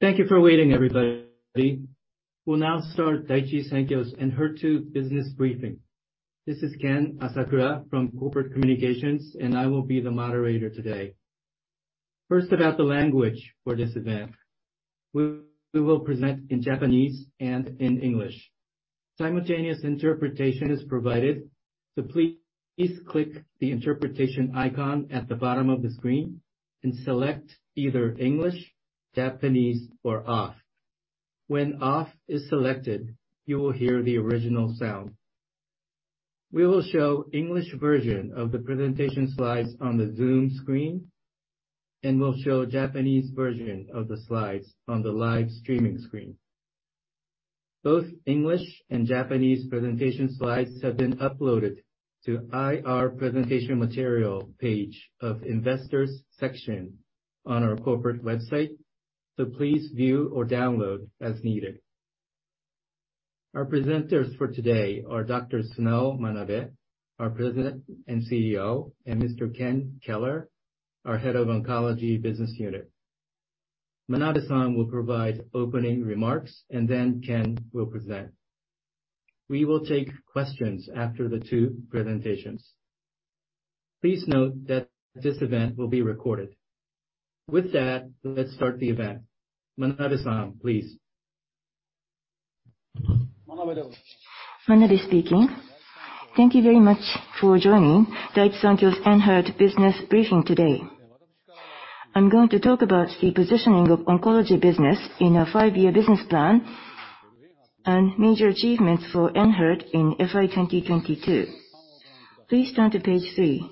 Thank you for waiting, everybody. We'll now start Daiichi Sankyo's ENHERTU business briefing. This is Ken Asakura from Corporate Communications, and I will be the moderator today. First, about the language for this event. We will present in Japanese and in English. Simultaneous interpretation is provided, so please click the interpretation icon at the bottom of the screen and select either English, Japanese, or off. When Off is selected, you will hear the original sound. We will show English version of the presentation slides on the Zoom screen and will show Japanese version of the slides on the live streaming screen. Both English and Japanese presentation slides have been uploaded to IR Presentation Material page of Investors section on our corporate website, so please view or download as needed. Our presenters for today are Dr. Sunao Manabe, our President and CEO, and Mr. Ken Keller, our Head of Oncology Business Unit. Manabe-san will provide opening remarks and then Ken will present. We will take questions after the two presentations. Please note that this event will be recorded. Let's start the event. Manabe-san, please. Manabe speaking. Thank you very much for joining Daiichi Sankyo's ENHERTU business briefing today. I'm going to talk about the positioning of oncology business in our 5-year business plan and major achievements for ENHERTU in FY 2022. Please turn to page 3.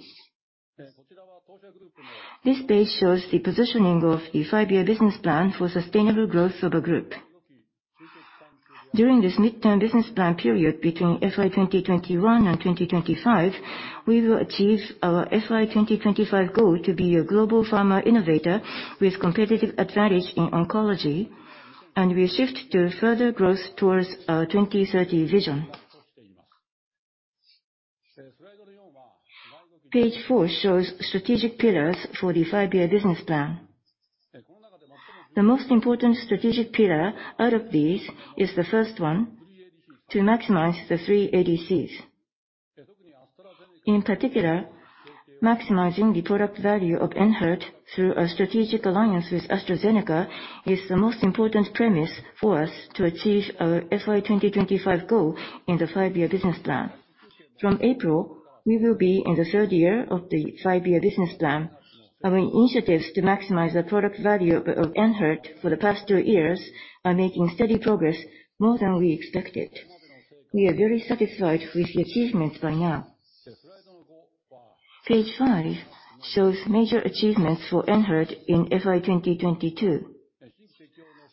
This page shows the positioning of the 5-year business plan for sustainable growth of the group. During this midterm business plan period between FY 2021 and 2025, we will achieve our FY 2025 goal to be a global pharma innovator with competitive advantage in oncology and we shift to further growth towards our 2030 vision. Page 4 shows strategic pillars for the 5-year business plan. The most important strategic pillar out of these is the first one, to maximize the 3 ADCs. In particular, maximizing the product value of ENHERTU through a strategic alliance with AstraZeneca is the most important premise for us to achieve our FY 2025 goal in the 5-year business plan. From April, we will be in the 3rd year of the 5-year business plan. Our initiatives to maximize the product value of ENHERTU for the past 2 years are making steady progress more than we expected. We are very satisfied with the achievements by now. Page 5 shows major achievements for ENHERTU in FY 2022.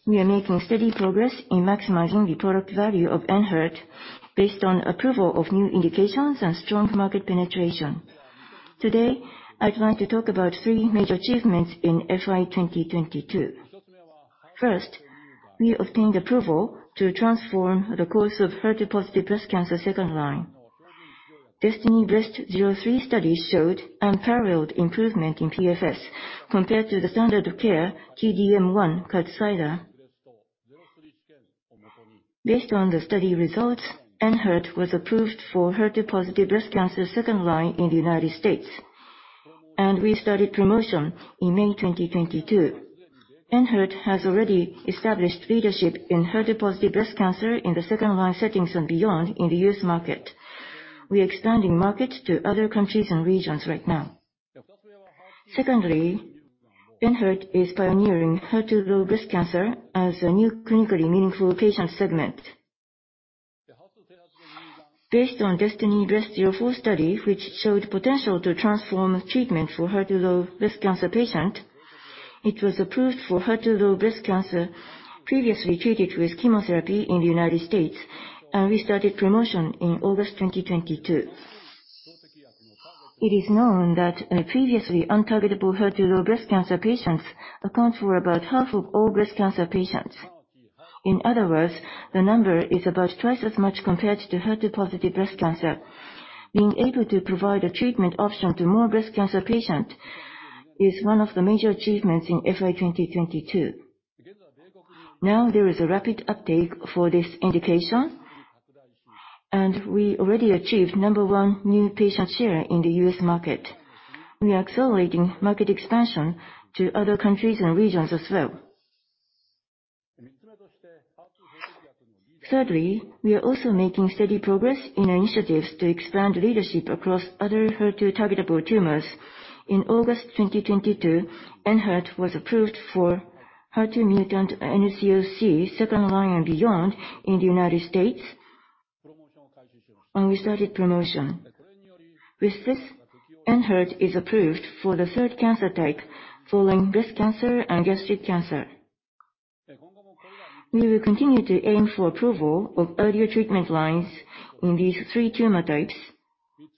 We are making steady progress in maximizing the product value of ENHERTU based on approval of new indications and strong market penetration. Today, I'd like to talk about 3 major achievements in FY 2022. First, we obtained approval to transform the course of HER2-positive breast cancer second line. DESTINY-Breast03 study showed unparalleled improvement in PFS compared to the standard of care, T-DM1, KADCYLA. Based on the study results, ENHERTU was approved for HER2-positive breast cancer second line in the United States, and we started promotion in May 2022. ENHERTU has already established leadership in HER2-positive breast cancer in the second line settings and beyond in the U.S. market. We're expanding market to other countries and regions right now. Secondly, ENHERTU is pioneering HER2-low breast cancer as a new clinically meaningful patient segment. Based on DESTINY-Breast04 study, which showed potential to transform treatment for HER2-low breast cancer patient, it was approved for HER2-low breast cancer previously treated with chemotherapy in the United States, and we started promotion in August 2022. It is known that previously untargetable HER2-low breast cancer patients account for about half of all breast cancer patients. In other words, the number is about twice as much compared to HER2-positive breast cancer. Being able to provide a treatment option to more breast cancer patient is one of the major achievements in FY 2022. Now there is a rapid uptake for this indication, and we already achieved number one new patient share in the U.S. market. We are accelerating market expansion to other countries and regions as well. Thirdly, we are also making steady progress in our initiatives to expand leadership across other HER2 targetable tumors. In August 2022, ENHERTU was approved for HER2-mutant NSCLC second line and beyond in the United States, and we started promotion. With this, ENHERTU is approved for the third cancer type following breast cancer and gastric cancer. We will continue to aim for approval of earlier treatment lines in these three tumor types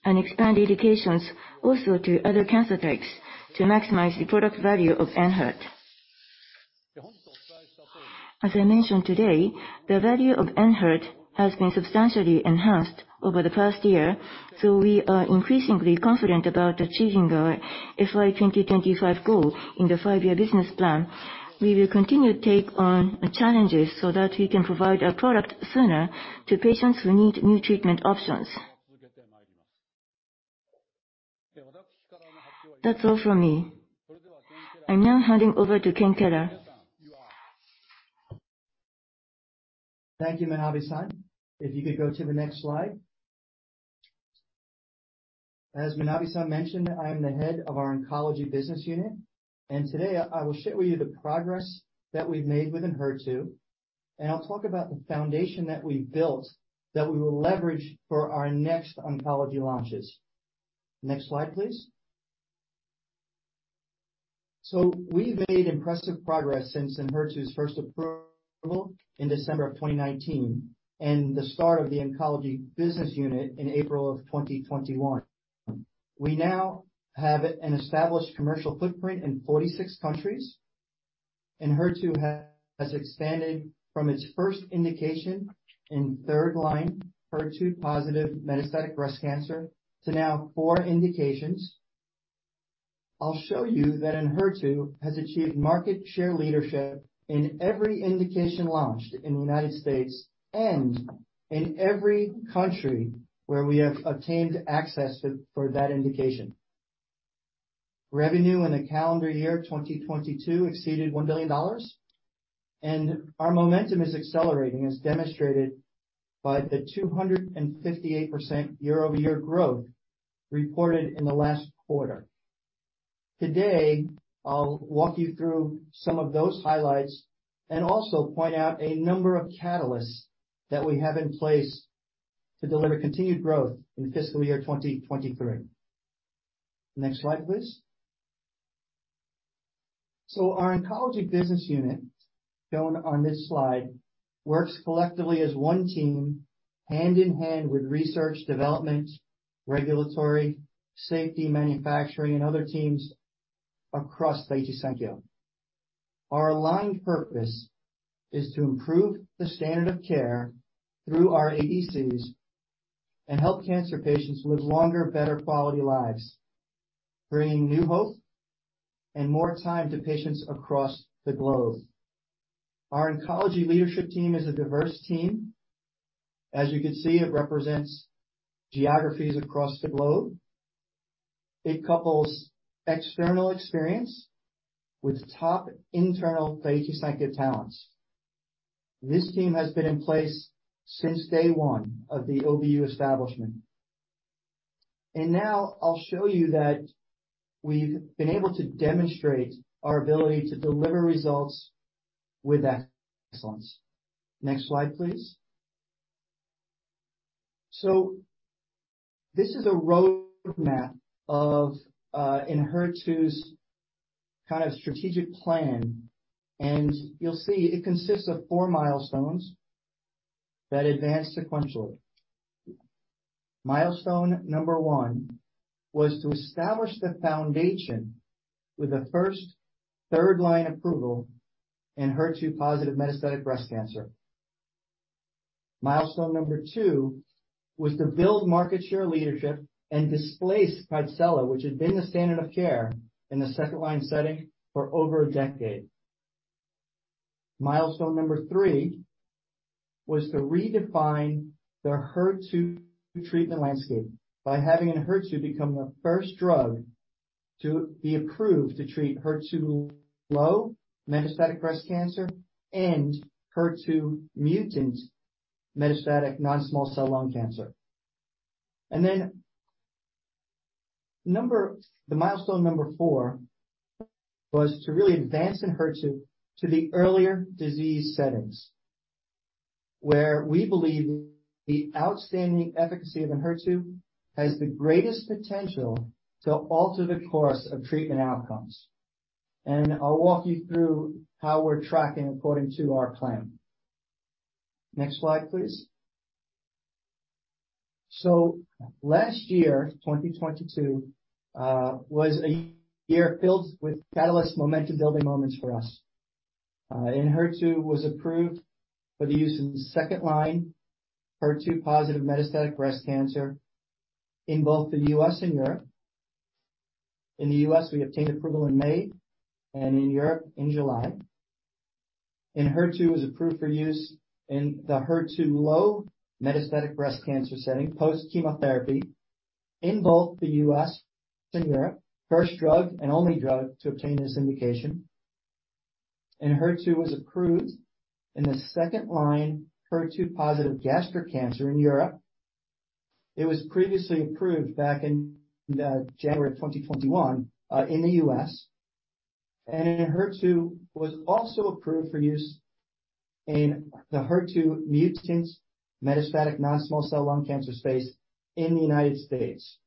and expand indications also to other cancer types to maximize the product value of ENHERTU. As I mentioned today, the value of ENHERTU has been substantially enhanced over the past year, we are increasingly confident about achieving our FY 2025 goal in the 5-year business plan. We will continue to take on challenges so that we can provide our product sooner to patients who need new treatment options. That's all from me. I'm now handing over to Ken Keller. Thank you, Manabe-san. If you could go to the next slide. As Manabe-san mentioned, I am the head of our Oncology Business Unit, and today I will share with you the progress that we've made with ENHERTU, and I'll talk about the foundation that we've built that we will leverage for our next oncology launches. Next slide, please. We've made impressive progress since ENHERTU's first approval in December of 2019 and the start of the Oncology Business Unit in April of 2021. We now have an established commercial footprint in 46 countries. ENHERTU has expanded from its first indication in 3rd line, HER2-positive metastatic breast cancer, to now 4 indications. I'll show you that ENHERTU has achieved market share leadership in every indication launched in the United States and in every country where we have obtained access to for that indication. Revenue in the calendar year 2022 exceeded $1 billion. Our momentum is accelerating, as demonstrated by the 258% year-over-year growth reported in the last quarter. Today, I'll walk you through some of those highlights and also point out a number of catalysts that we have in place to deliver continued growth in fiscal year 2023. Next slide, please. Our Oncology Business Unit, shown on this slide, works collectively as one team, hand in hand with research, development, regulatory, safety, manufacturing, and other teams across Daiichi Sankyo. Our aligned purpose is to improve the Standard of Care through our ADCs and help cancer patients live longer, better quality lives, bringing new hope and more time to patients across the globe. Our oncology leadership team is a diverse team. As you can see, it represents geographies across the globe. It couples external experience with top internal Daiichi Sankyo talents. This team has been in place since day one of the OBU establishment. Now I'll show you that we've been able to demonstrate our ability to deliver results with excellence. Next slide, please. This is a roadmap of ENHERTU's kind of strategic plan, and you'll see it consists of four milestones that advance sequentially. Milestone number one was to establish the foundation with the first third-line approval in HER2-positive metastatic breast cancer. Milestone number two was to build market share leadership and displace KADCYLA, which had been the Standard of Care in the second line setting for over a decade. Milestone number three was to redefine the HER2 treatment landscape by having ENHERTU become the first drug to be approved to treat HER2-low metastatic breast cancer and HER2-mutant metastatic non-small cell lung cancer. The milestone 4 was to really advance ENHERTU to the earlier disease settings, where we believe the outstanding efficacy of ENHERTU has the greatest potential to alter the course of treatment outcomes. I'll walk you through how we're tracking according to our plan. Next slide, please. Last year, 2022, was a year filled with catalyst momentum-building moments for us. ENHERTU was approved for the use in second-line HER2-positive metastatic breast cancer in both the U.S. and Europe. In the U.S., we obtained approval in May, and in Europe in July. ENHERTU was approved for use in the HER2-low metastatic breast cancer setting, post-chemotherapy in both the U.S. and Europe. First drug and only drug to obtain this indication. ENHERTU was approved in the second-line HER2-positive gastric cancer in Europe. It was previously approved back in January 2021 in the U.S. ENHERTU was also approved for use in the HER2-mutant metastatic non-small cell lung cancer space in the United States.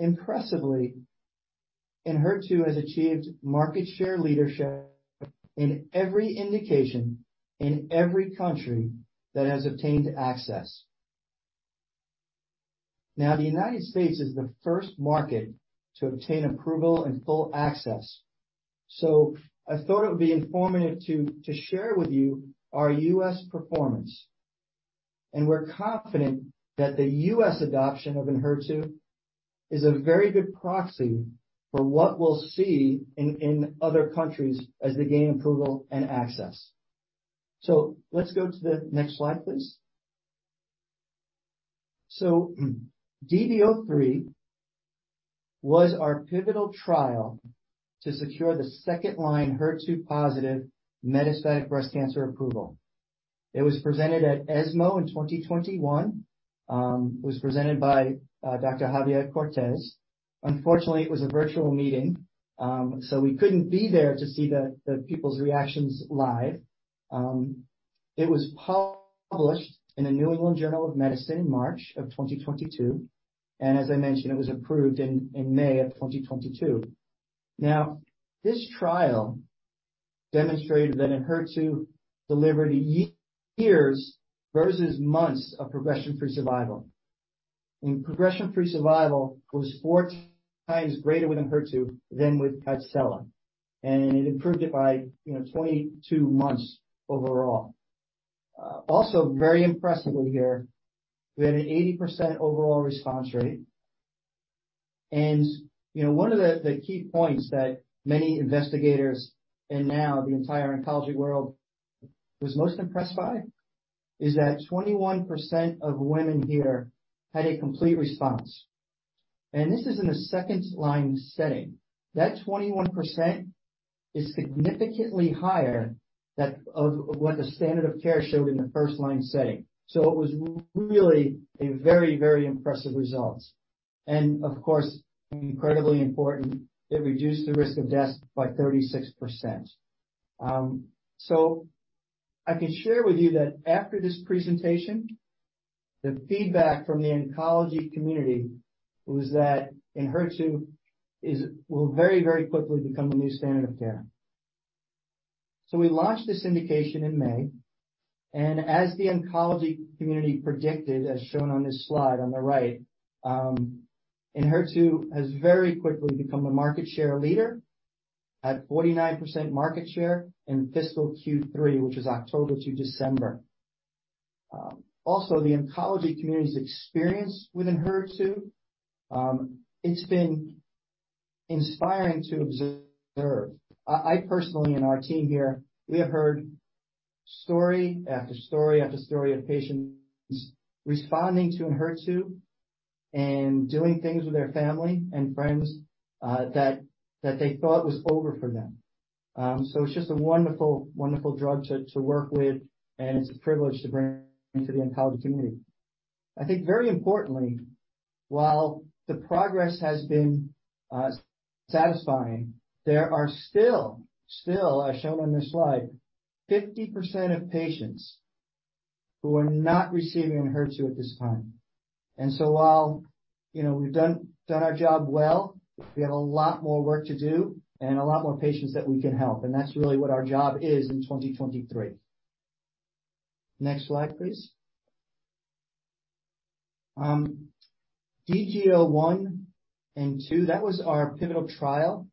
Impressively, ENHERTU has achieved market share leadership in every indication in every country that has obtained access. Now, the United States is the first market to obtain approval and full access. I thought it would be informative to share with you our U.S. performance. We're confident that the U.S. adoption of ENHERTU is a very good proxy for what we'll see in other countries as they gain approval and access. Let's go to the next slide, please. DESTINY-Breast03 was our pivotal trial to secure the second-line HER2-positive metastatic breast cancer approval. It was presented at ESMO in 2021, it was presented by Dr. Javier Cortés. Unfortunately, it was a virtual meeting, we couldn't be there to see the people's reactions live. It was published in The New England Journal of Medicine in March of 2022, as I mentioned, it was approved in May of 2022. This trial demonstrated that ENHERTU delivered years versus months of progression-free survival. Progression-free survival was 4 times greater with ENHERTU than with Herceptin, it improved it by, you know, 22 months overall. Also very impressively here, we have an 80% overall response rate. You know, one of the key points that many investigators, now the entire oncology world was most impressed by, is that 21% of women here had a complete response. This is in a second-line setting. That 21% is significantly higher of what the Standard of Care showed in the first line setting. It was really a very impressive results. Of course, incredibly important, it reduced the risk of death by 36%. I can share with you that after this presentation, the feedback from the oncology community was that ENHERTU will very quickly become the new Standard of Care. We launched this indication in May, and as the oncology community predicted, as shown on this slide on the right, ENHERTU has very quickly become the market share leader at 49% market share in fiscal Q3, which is October to December. Also the oncology community's experience with ENHERTU, it's been inspiring to observe. I personally, and our team here, we have heard story after story after story of patients responding to ENHERTU and doing things with their family and friends that they thought was over for them. So it's just a wonderful drug to work with, and it's a privilege to bring to the oncology community. I think very importantly, while the progress has been satisfying, there are still, as shown on this slide, 50% of patients who are not receiving ENHERTU at this time. While, you know, we've done our job well, we have a lot more work to do and a lot more patients that we can help. That's really what our job is in 2023. Next slide, please. DESTINY-Gastric01 and DESTINY-Gastric02, that was our pivotal trial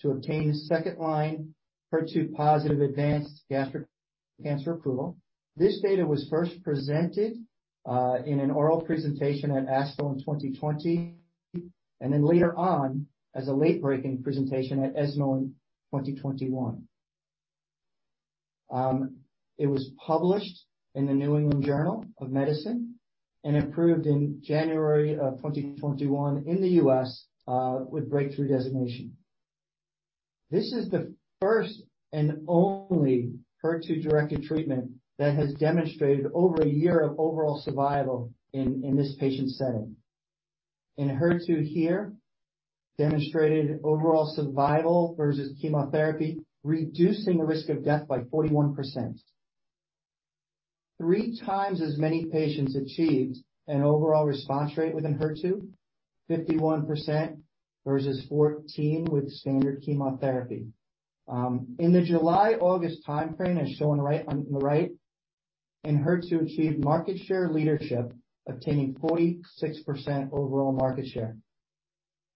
to obtain the second-line HER2-positive advanced gastric cancer approval. This data was first presented in an oral presentation at ASCO in 2020, and then later on as a late breaking presentation at ESMO in 2021. It was published in The New England Journal of Medicine and approved in January of 2021 in the U.S. with breakthrough designation. This is the first and only HER2-directed treatment that has demonstrated over a year of overall survival in this patient setting. ENHERTU here demonstrated overall survival versus chemotherapy, reducing the risk of death by 41%. Three times as many patients achieved an overall response rate with ENHERTU, 51% versus 14 with standard chemotherapy. In the July-August timeframe, as shown right on the right, ENHERTU achieved market share leadership, obtaining 46% overall market share.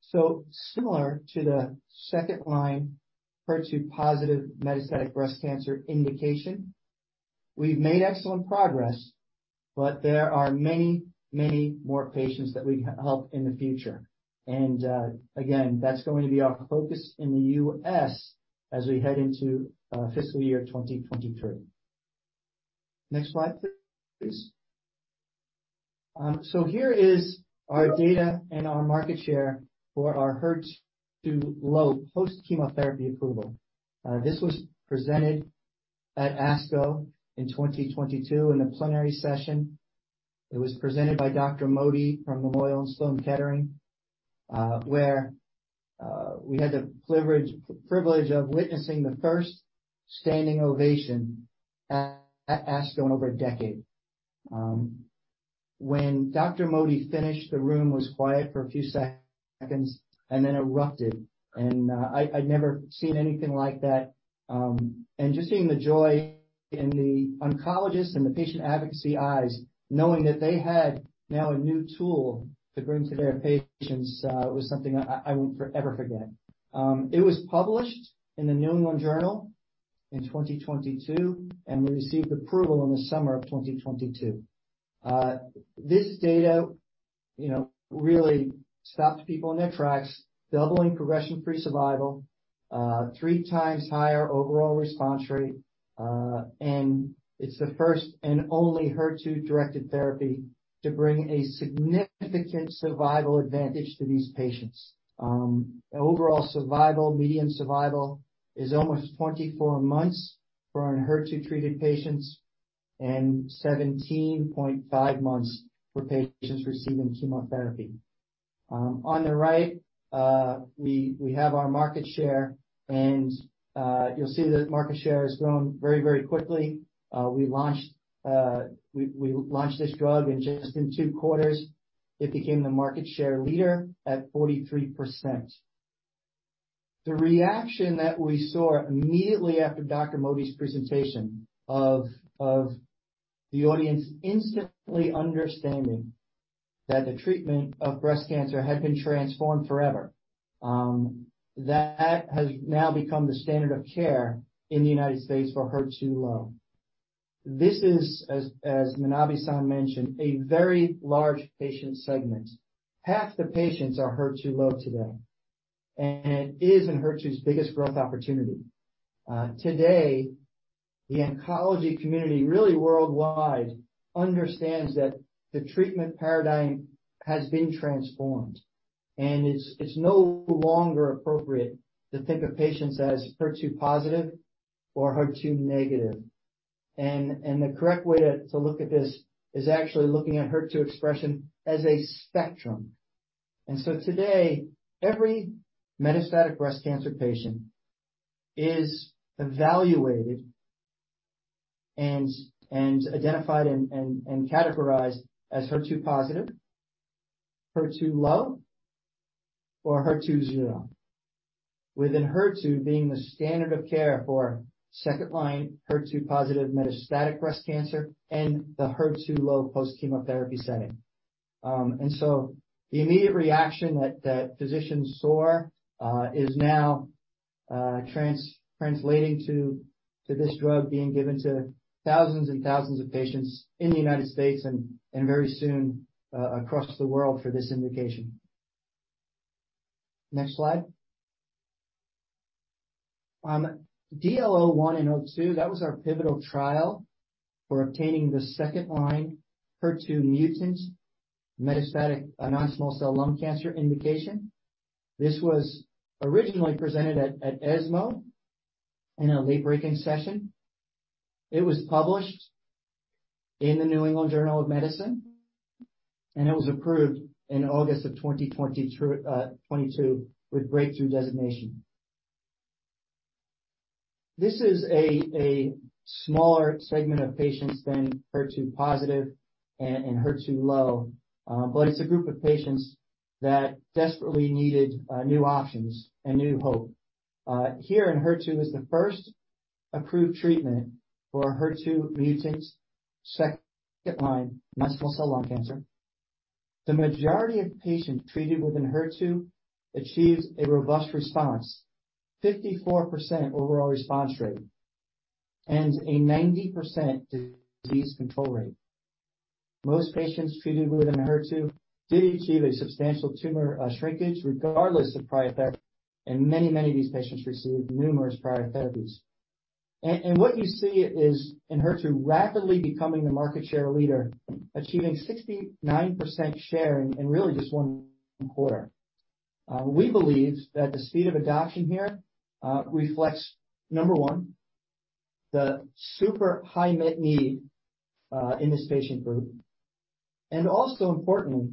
Similar to the second line HER2-positive metastatic breast cancer indication, we've made excellent progress, but there are many more patients that we can help in the future. Again, that's going to be our focus in the U.S. as we head into fiscal year 2023. Next slide, please. Here is our data and our market share for our HER2-low post-chemotherapy approval. This was presented at ASCO in 2022 in the plenary session. It was presented by Dr. Modi from Memorial Sloan Kettering, where we had the privilege of witnessing the first standing ovation at ASCO in over a decade. When Dr. Modi finished, the room was quiet for a few seconds. Then erupted. I'd never seen anything like that. Just seeing the joy in the oncologists and the patient advocacy eyes, knowing that they had now a new tool to bring to their patients, was something I won't forever forget. It was published in The New England Journal in 2022, we received approval in the summer of 2022. This data, you know, really stopped people in their tracks, doubling progression-free survival, 3 times higher overall response rate, it's the first and only HER2-directed therapy to bring a significant survival advantage to these patients. Overall survival, median survival is almost 24 months for our HER2-treated patients and 17.5 months for patients receiving chemotherapy. On the right, we have our market share, you'll see that market share has grown very, very quickly. We launched this drug, and just in 2 quarters it became the market share leader at 43%. The reaction that we saw immediately after Dr. Modi's presentation of the audience instantly understanding that the treatment of breast cancer had been transformed forever, that has now become the standard of care in the United States for HER2-low. This is, as Manabe-san mentioned, a very large patient segment. Half the patients are HER2-low today, and it is in HER2's biggest growth opportunity. Today, the oncology community, really worldwide, understands that the treatment paradigm has been transformed, and it's no longer appropriate to think of patients as HER2-positive or HER2-negative. The correct way to look at this is actually looking at HER2 expression as a spectrum. Today, every metastatic breast cancer patient is evaluated and identified and categorized as HER2-positive, HER2-low, or HER2-zero. ENHERTU being the standard of care for second-line HER2-positive metastatic breast cancer and the HER2-low post-chemotherapy setting. The immediate reaction that physicians saw is now translating to this drug being given to thousands of patients in the United States and very soon across the world for this indication. Next slide. DL01 and 02, that was our pivotal trial for obtaining the second-line HER2-mutant metastatic or non-small cell lung cancer indication. This was originally presented at ESMO in a late-breaking session. It was published in The New England Journal of Medicine. It was approved in August of 2022 with breakthrough designation. This is a smaller segment of patients than HER2-positive and HER2-low, but it's a group of patients that desperately needed new options and new hope. Here in ENHERTU is the first approved treatment for HER2-mutant second line non-small cell lung cancer. The majority of patients treated within ENHERTU achieves a robust response, 54% overall response rate and a 90% disease control rate. Most patients treated within ENHERTU did achieve a substantial tumor shrinkage regardless of prior therapy, many of these patients received numerous prior therapies. What you see is ENHERTU rapidly becoming the market share leader, achieving 69% share in really just one quarter. We believe that the speed of adoption here reflects, number one, the super high med need in this patient group, and also importantly,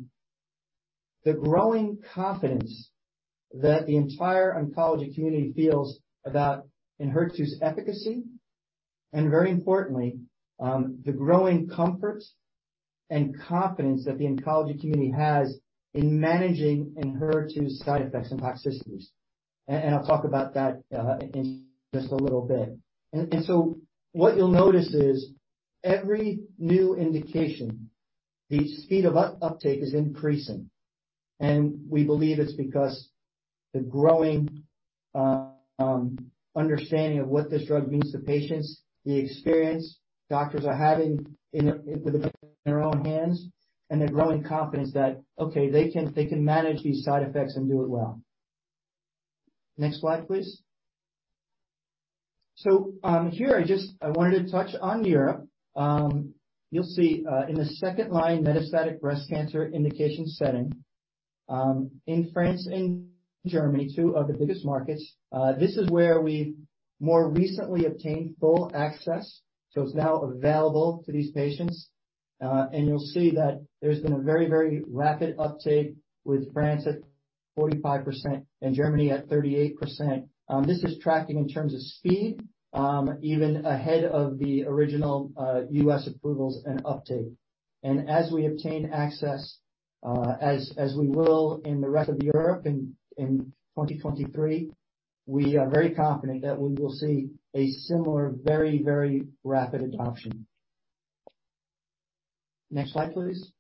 the growing confidence that the entire oncology community feels about ENHERTU's efficacy, and very importantly, the growing comfort and confidence that the oncology community has in managing ENHERTU's side effects and toxicities. I'll talk about that in just a little bit. What you'll notice is every new indication, the speed of uptake is increasing. We believe it's because the growing understanding of what this drug means to patients, the experience doctors are having in their, with it in their own hands, and their growing confidence that, okay, they can manage these side effects and do it well. Next slide, please. Here I wanted to touch on Europe. You'll see in the second line, metastatic breast cancer indication setting, in France and Germany, two of the biggest markets, this is where we more recently obtained full access, so it's now available to these patients. You'll see that there's been a very, very rapid uptake with France at 45% and Germany at 38%. This is tracking in terms of speed, even ahead of the original U.S. approvals and uptake. As we obtain access, as we will in the rest of Europe in 2023. We are very confident that we will see a similar very, very rapid adoption. Next slide, please.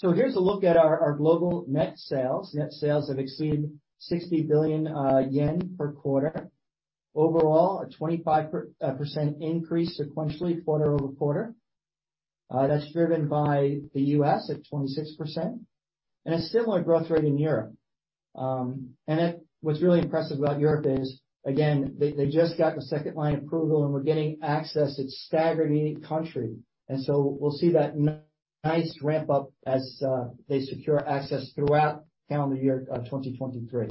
Here's a look at our global net sales. Net sales have exceeded 60 billion yen per quarter. Overall, a 25% increase sequentially quarter-over-quarter. That's driven by the US at 26% and a similar growth rate in Europe. What's really impressive about Europe is, again, they just got the second-line approval, and we're getting access at staggering country. We'll see that nice ramp-up as they secure access throughout calendar year 2023.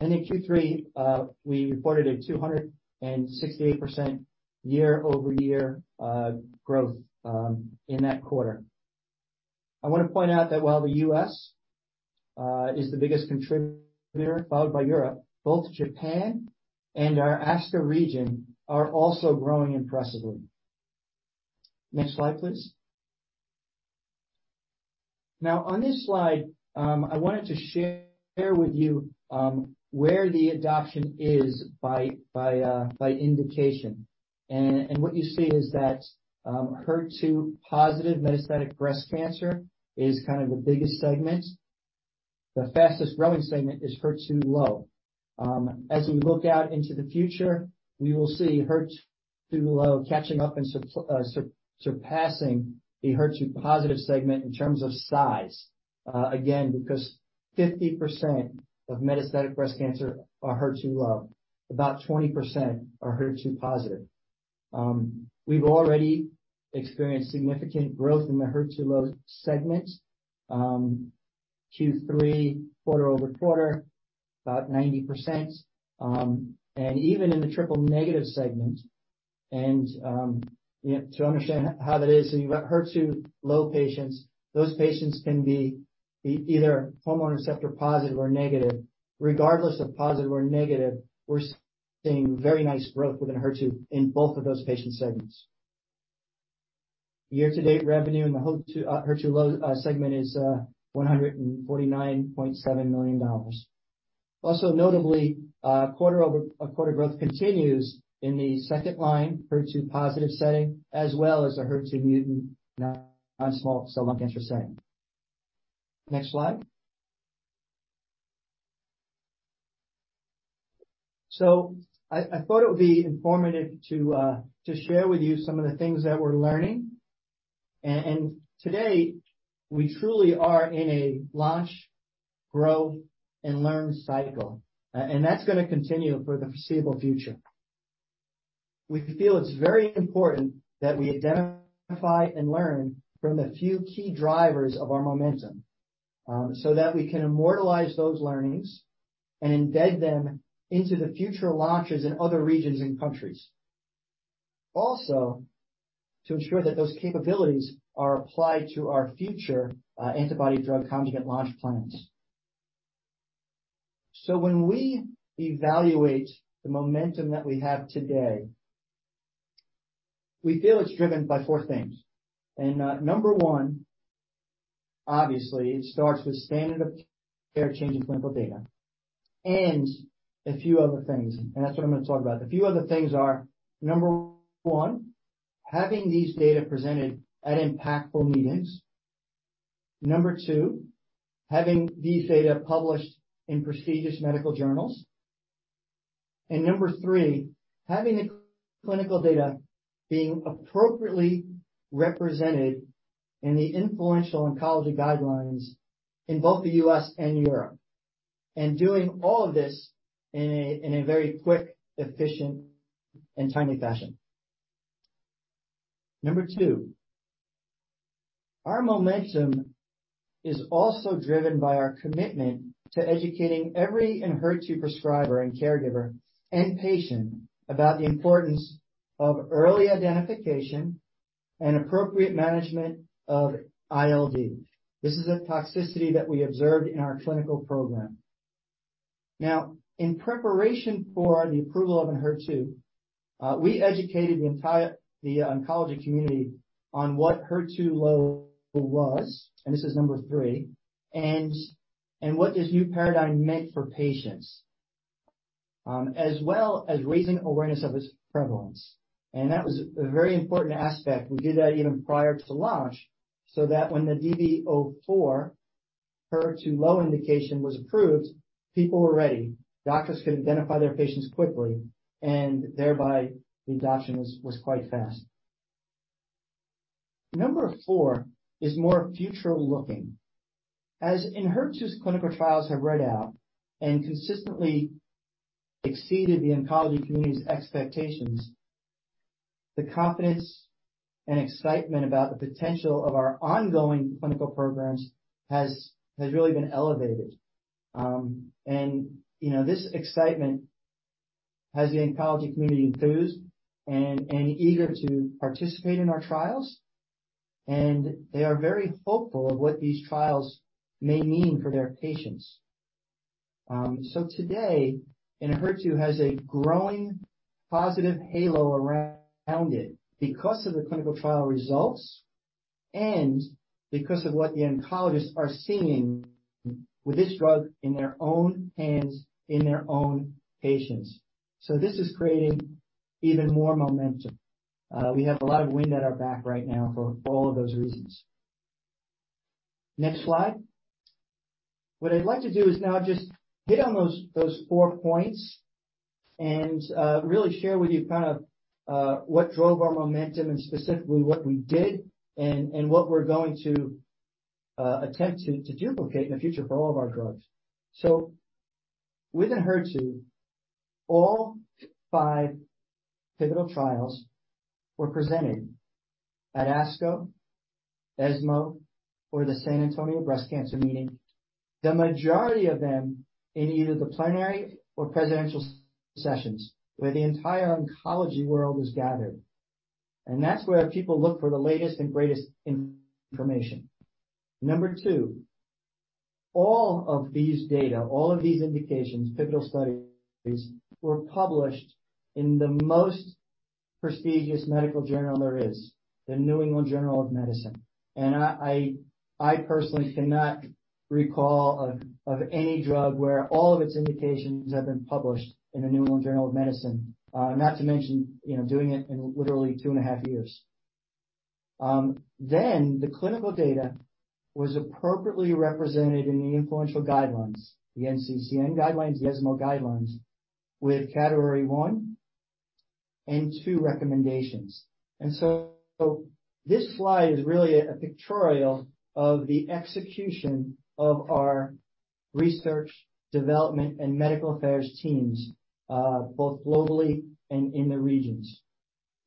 In Q3, we reported a 268% year-over-year growth in that quarter. I wanna point out that while the US is the biggest contributor, followed by Europe, both Japan and our Asia region are also growing impressively. Next slide, please. On this slide, I wanted to share with you where the adoption is by indication. And what you see is that HER2-positive metastatic breast cancer is kind of the biggest segment. The fastest-growing segment is HER2-low. As we look out into the future, we will see HER2-low catching up and surpassing the HER2-positive segment in terms of size, again, because 50% of metastatic breast cancer are HER2-low. About 20% are HER2-positive. We've already experienced significant growth in the HER2-low segment, Q3 quarter-over-quarter, about 90%. Even in the triple-negative segment and, you know, to understand how that is, you've got HER2-low patients. Those patients can be either hormone receptor positive or negative. Regardless of positive or negative, we're seeing very nice growth within HER2 in both of those patient segments. Year-to-date revenue in the HER2-low segment is $149.7 million. Also, notably, quarter-over-quarter growth continues in the second line HER2-positive setting as well as a HER2-mutant non-small cell lung cancer setting. Next slide. I thought it would be informative to share with you some of the things that we're learning. Today, we truly are in a launch, grow, and learn cycle, and that's gonna continue for the foreseeable future. We feel it's very important that we identify and learn from the few key drivers of our momentum, so that we can immortalize those learnings and embed them into the future launches in other regions and countries. Also, to ensure that those capabilities are applied to our future antibody drug conjugate launch plans. When we evaluate the momentum that we have today, we feel it's driven by four things. Number one, obviously, it starts with Standard of Care-changing clinical data and a few other things, and that's what I'm gonna talk about. The few other things are, Number one, having these data presented at impactful meetings. Number two, having these data published in prestigious medical journals. Number three, having the clinical data being appropriately represented in the influential oncology guidelines in both the U.S. and Europe, and doing all of this in a very quick, efficient, and timely fashion. Number two, our momentum is also driven by our commitment to educating every ENHERTU prescriber and caregiver and patient about the importance of early identification and appropriate management of ILD. This is a toxicity that we observed in our clinical program. In preparation for the approval of ENHERTU, we educated the oncology community on what HER2-low was, and this is number 3, and what this new paradigm meant for patients, as well as raising awareness of its prevalence. That was a very important aspect. We did that even prior to launch, so that when the DESTINY-Breast04 HER2-low indication was approved, people were ready. Doctors could identify their patients quickly, thereby the adoption was quite fast. Number 4 is more future-looking. As ENHERTU's clinical trials have read out and consistently exceeded the oncology community's expectations, the confidence and excitement about the potential of our ongoing clinical programs has really been elevated. You know, this excitement has the oncology community enthused and eager to participate in our trials, and they are very hopeful of what these trials may mean for their patients. Today, ENHERTU has a growing positive halo around it because of the clinical trial results. Because of what the oncologists are seeing with this drug in their own hands, in their own patients. This is creating even more momentum. We have a lot of wind at our back right now for all of those reasons. Next slide. What I'd like to do is now just hit on those four points and really share with you kind of what drove our momentum and specifically what we did and what we're going to attempt to duplicate in the future for all of our drugs. Within HER2, all five pivotal trials were presented at ASCO, ESMO, or the San Antonio Breast Cancer Meeting. The majority of them in either the plenary or presidential sessions, where the entire oncology world is gathered. That's where people look for the latest and greatest information. Number 2, all of these data, all of these indications, pivotal studies, were published in the most prestigious medical journal there is, The New England Journal of Medicine. I personally cannot recall any drug where all of its indications have been published in The New England Journal of Medicine. Not to mention, you know, doing it in literally 2 and a half years. The clinical data was appropriately represented in the influential guidelines, the NCCN guidelines, the ESMO guidelines, with category 1 and 2 recommendations. This slide is really a pictorial of the execution of our research, development, and medical affairs teams, both globally and in the regions.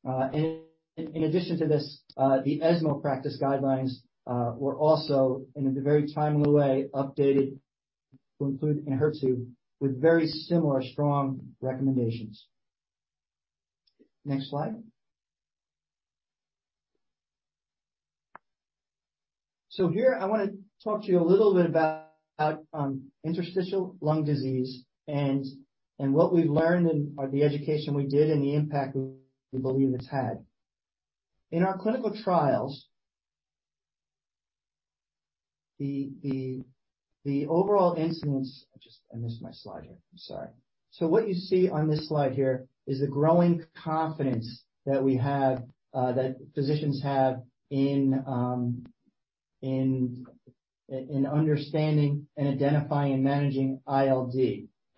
In addition to this, the ESMO practice guidelines were also in a very timely way, updated to include ENHERTU with very similar strong recommendations. Next slide. Here I wanna talk to you a little bit about interstitial lung disease and what we've learned and the education we did and the impact we believe it's had. In our clinical trials, the overall incidence... I missed my slide here. I'm sorry. What you see on this slide here is the growing confidence that we have that physicians have in understanding and identifying and managing ILD.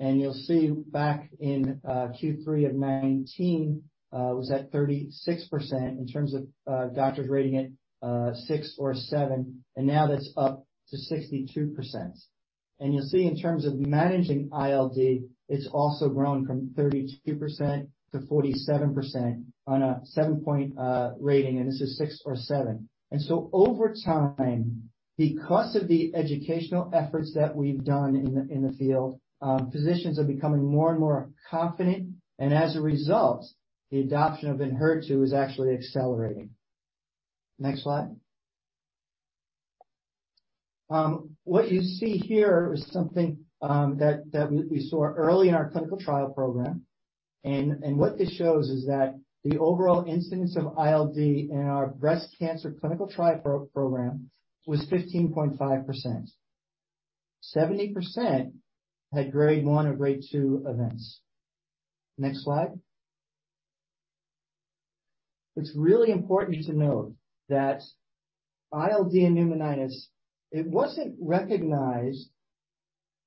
You'll see back in Q3 of 2019 was at 36% in terms of doctors rating it 6 or 7, and now that's up to 62%. You'll see in terms of managing ILD, it's also grown from 32% to 47% on a 7-point rating, and this is 6 or 7. Over time, because of the educational efforts that we've done in the field, physicians are becoming more and more confident. As a result, the adoption of ENHERTU is actually accelerating. Next slide. What you see here is something that we saw early in our clinical trial program. What this shows is that the overall incidence of ILD in our breast cancer clinical trial program was 15.5%. 70% had grade 1 or grade 2 events. Next slide. It's really important to note that ILD and pneumonitis, it wasn't recognized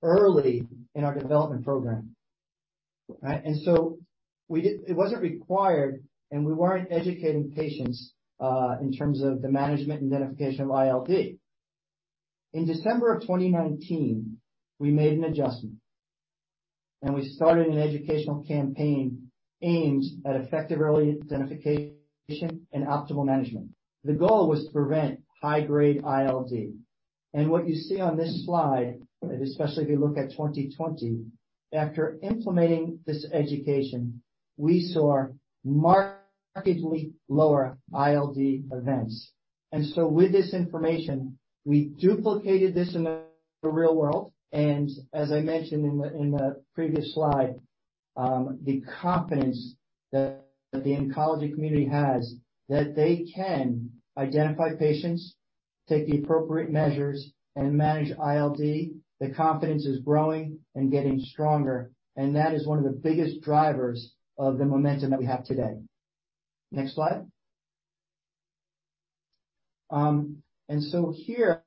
early in our development program, right? It wasn't required, we weren't educating patients, in terms of the management and identification of ILD. In December of 2019, we made an adjustment, we started an educational campaign aimed at effective early identification and optimal management. The goal was to prevent high-grade ILD. What you see on this slide, and especially if you look at 2020, after implementing this education, we saw markedly lower ILD events. With this information, we duplicated this in the real world. As I mentioned in the previous slide, the confidence that the oncology community has that they can identify patients, take the appropriate measures, and manage ILD, the confidence is growing and getting stronger, and that is one of the biggest drivers of the momentum that we have today. Next slide. Here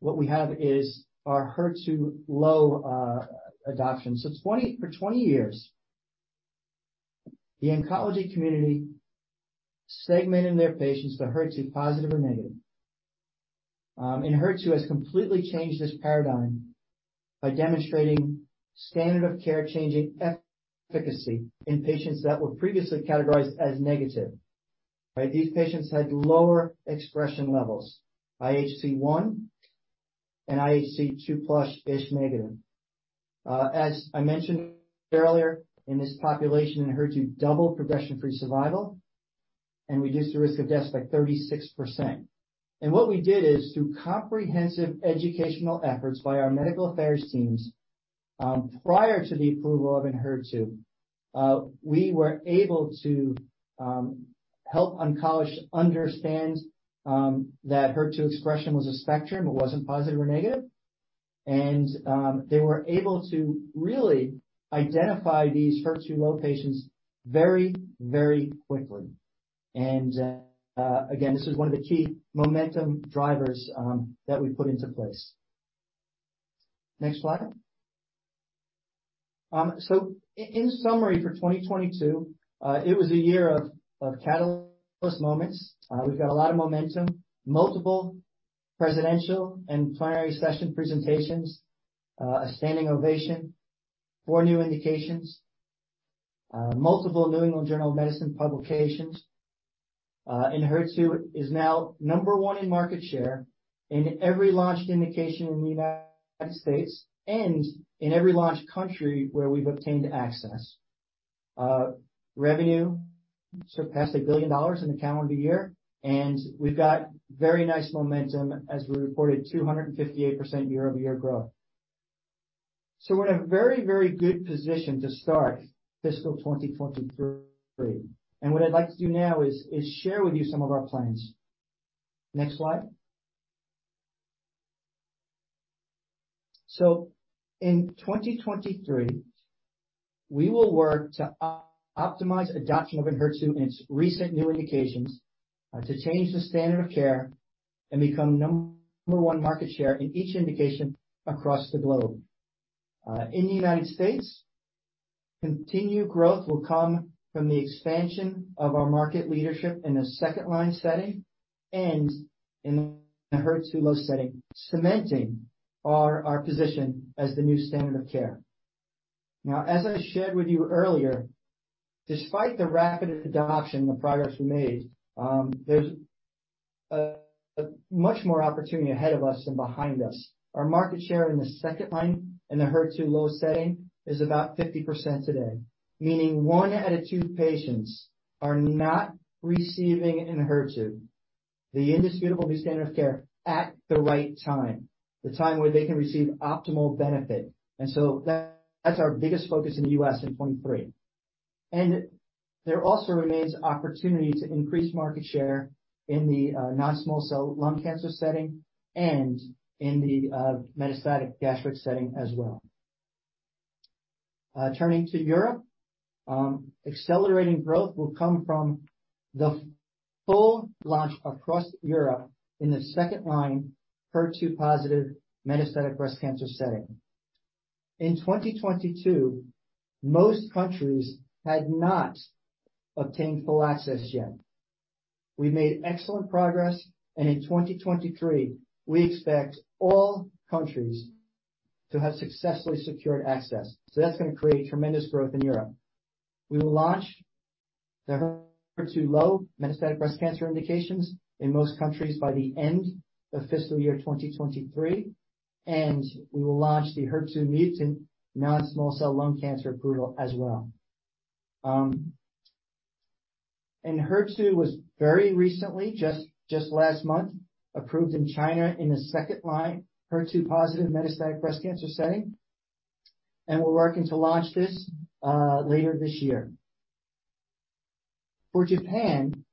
what we have is our HER2-low adoption. For 20 years, the oncology community segmented their patients to HER2-positive or negative. HER2 has completely changed this paradigm by demonstrating standard of care changing efficacy in patients that were previously categorized as negative. Right? These patients had lower expression levels, IHC 1 and IHC 2 plus ISH negative. As I mentioned earlier, in this population in HER2, double progression-free survival and reduced the risk of death by 36%. What we did is, through comprehensive educational efforts by our medical affairs teams. Prior to the approval of ENHERTU, we were able to help oncologists understand that HER2 expression was a spectrum. It wasn't positive or negative. They were able to really identify these HER2-low patients very, very quickly. Again, this is one of the key momentum drivers that we put into place. Next slide. In summary for 2022, it was a year of catalyst moments. We've got a lot of momentum, multiple presidential and plenary session presentations, a standing ovation, four new indications, multiple The New England Journal of Medicine publications. ENHERTU is now number one in market share in every launched indication in United States and in every launched country where we've obtained access. Revenue surpassed $1 billion in the calendar year, we've got very nice momentum as we reported 258% year-over-year growth. We're in a very, very good position to start fiscal 2023. What I'd like to do now is share with you some of our plans. Next slide. In 2023, we will work to optimize adoption of ENHERTU in its recent new indications to change the standard of care and become number one market share in each indication across the globe. In the United States, continued growth will come from the expansion of our market leadership in the second-line setting and in the HER2-low setting, cementing our position as the new standard of care. As I shared with you earlier, despite the rapid adoption and the progress we made, there's much more opportunity ahead of us than behind us. Our market share in the second line in the HER2-low setting is about 50% today, meaning one out of two patients are not receiving ENHERTU, the indisputably Standard of Care, at the right time, the time where they can receive optimal benefit. That's our biggest focus in the U.S. in 2023. There also remains opportunity to increase market share in the non-small cell lung cancer setting and in the metastatic gastric setting as well. Turning to Europe, accelerating growth will come from the full launch across Europe in the second line HER2-positive metastatic breast cancer setting. In 2022, most countries had not obtained full access yet. We made excellent progress. In 2023, we expect all countries to have successfully secured access. That's gonna create tremendous growth in Europe. We will launch the ENHERTU HER2-low metastatic breast cancer indications in most countries by the end of fiscal year 2023. We will launch the HER2-mutant non-small cell lung cancer approval as well. HER2 was very recently, just last month, approved in China in the 2nd-line HER2-positive metastatic breast cancer setting, and we're working to launch this later this year. For Japan,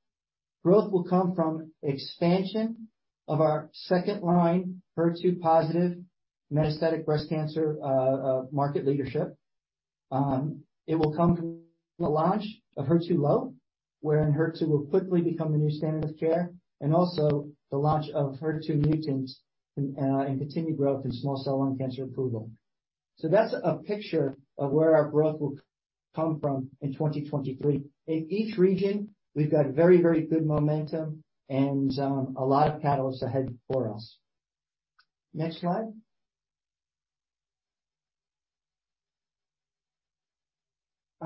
growth will come from expansion of our 2nd-line HER2-positive metastatic breast cancer market leadership. It will come from the launch of HER2-low, wherein HER2 will quickly become the new standard of care and also the launch of HER2-mutant in continued growth in non-small cell lung cancer approval. That's a picture of where our growth will come from in 2023. In each region, we've got very good momentum and a lot of catalysts ahead for us. Next slide.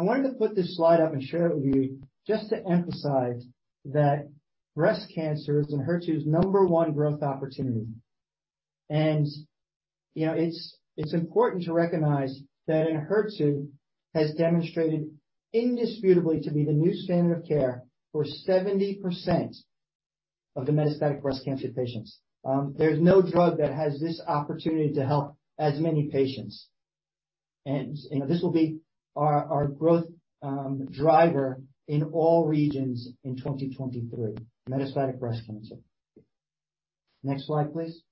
I wanted to put this slide up and share it with you just to emphasize that breast cancer is ENHERTU's number one growth opportunity. You know, it's important to recognize that ENHERTU has demonstrated indisputably to be the new standard of care for 70% of the metastatic breast cancer patients. There's no drug that has this opportunity to help as many patients. You know, this will be our growth driver in all regions in 2023, metastatic breast cancer. Next slide, please.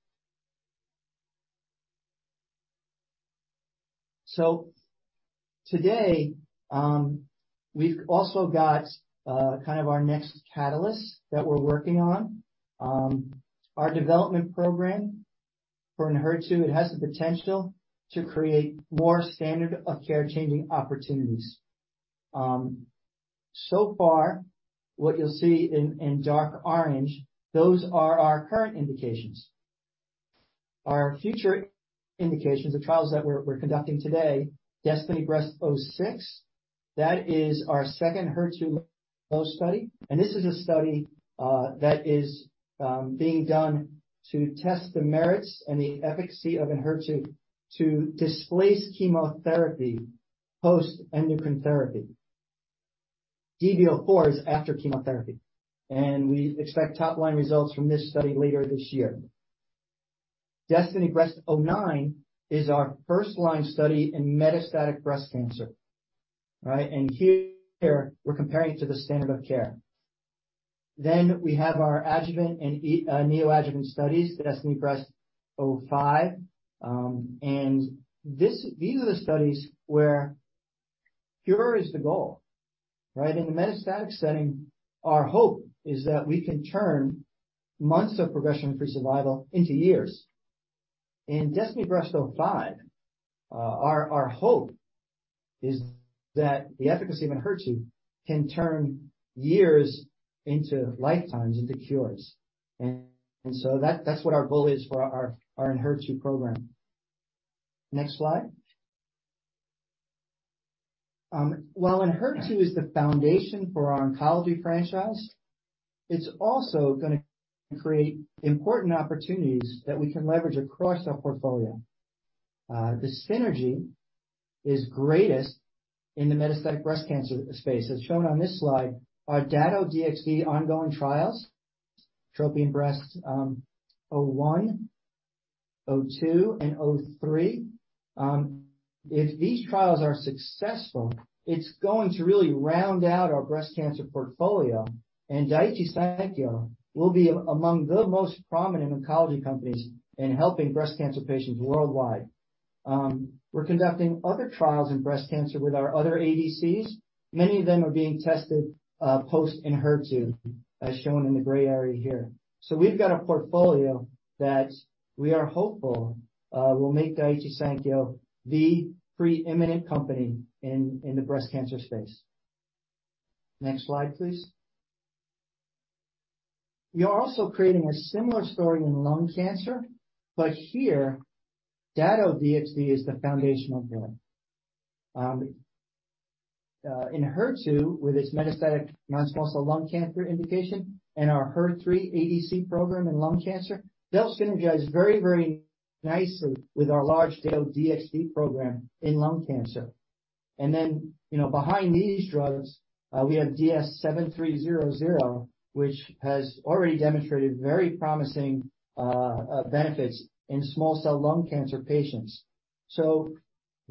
Today, we've also got kind of our next catalyst that we're working on. Our development program for ENHERTU, it has the potential to create more standard of care-changing opportunities. So far, what you'll see in dark orange, those are our current indications. Our future indications of trials that we're conducting today, DESTINY-Breast06, that is our second HER2-low study. This is a study that is being done to test the merits and the efficacy of ENHERTU to displace chemotherapy post-endocrine therapy. DB-04 is after chemotherapy. We expect top-line results from this study later this year. DESTINY-Breast09 is our first-line study in metastatic breast cancer, right? Here we're comparing it to the Standard of Care. We have our adjuvant and neoadjuvant studies, DESTINY-Breast05. These are the studies where cure is the goal, right? In the metastatic setting, our hope is that we can turn months of progression-free survival into years. In DESTINY-Breast05, our hope is that the efficacy of ENHERTU can turn years into lifetimes, into cures. That's what our goal is for our ENHERTU program. Next slide. While ENHERTU is the foundation for our oncology franchise, it's also gonna create important opportunities that we can leverage across our portfolio. The synergy is greatest in the metastatic breast cancer space. As shown on this slide, our Dato-DXd ongoing trials, TROPION-Breast 01, 02, and 03. If these trials are successful, it's going to really round out our breast cancer portfolio, and Daiichi Sankyo will be among the most prominent oncology companies in helping breast cancer patients worldwide. We're conducting other trials in breast cancer with our other ADCs. Many of them are being tested post ENHERTU, as shown in the gray area here. We've got a portfolio that we are hopeful will make Daiichi Sankyo the pre-eminent company in the breast cancer space. Next slide, please. We are also creating a similar story in lung cancer, but here, Dato-DXd is the foundational drug. ENHERTU with its metastatic non-small cell lung cancer indication and our HER3 ADC program in lung cancer, they'll synergize very, very nicely with our large Dato-DXd program in lung cancer. Then, you know, behind these drugs, we have DS-7300, which has already demonstrated very promising benefits in small cell lung cancer patients.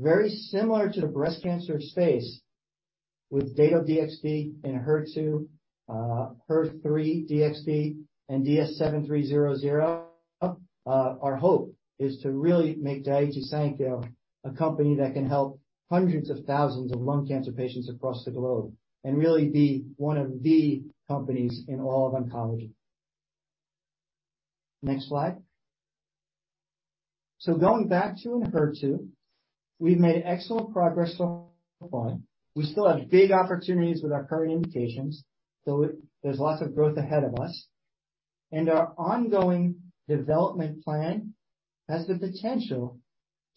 Very similar to the breast cancer space with Dato-DXd and ENHERTU, HER3-DXd and DS7300, our hope is to really make Daiichi Sankyo a company that can help hundreds of thousands of lung cancer patients across the globe and really be one of the companies in all of oncology. Next slide. Going back to ENHERTU, we've made excellent progress so far. We still have big opportunities with our current indications, so there's lots of growth ahead of us. Our ongoing development plan has the potential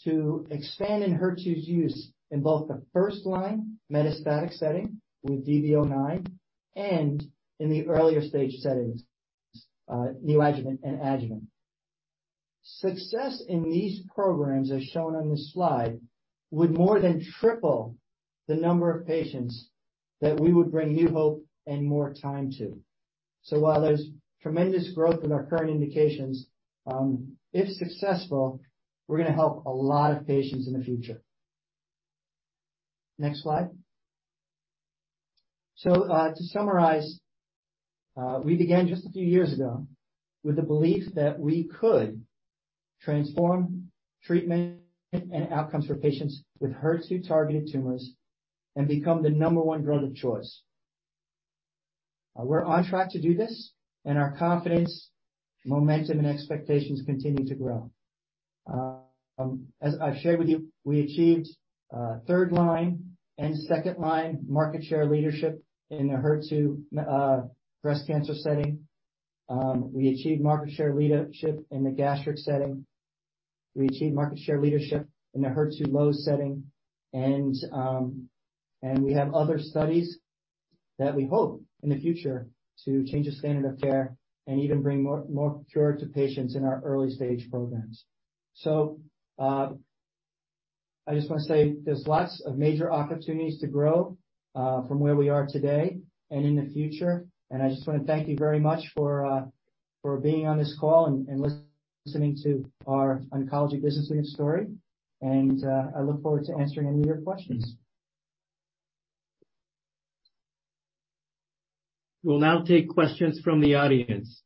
to expand ENHERTU's use in both the first line metastatic setting with DB-09 and in the earlier stage settings, neoadjuvant and adjuvant. Success in these programs, as shown on this slide, would more than triple the number of patients that we would bring new hope and more time to. While there's tremendous growth in our current indications, if successful, we're going to help a lot of patients in the future. Next slide. To summarize, we began just a few years ago with the belief that we could transform treatment and outcomes for patients with HER2-targeted tumors and become the number-one drug of choice. We're on track to do this, and our confidence, momentum, and expectations continue to grow. As I've shared with you, we achieved third line and second line market share leadership in the HER2 breast cancer setting. We achieved market share leadership in the gastric setting. We achieved market share leadership in the HER2-low setting. We have other studies that we hope in the future to change the standard of care and even bring more cure to patients in our early stage programs. I just wanna say there's lots of major opportunities to grow, from where we are today and in the future. I just wanna thank you very much for being on this call and listening to our Oncology Business Unit story. I look forward to answering any of your questions. We'll now take questions from the audience.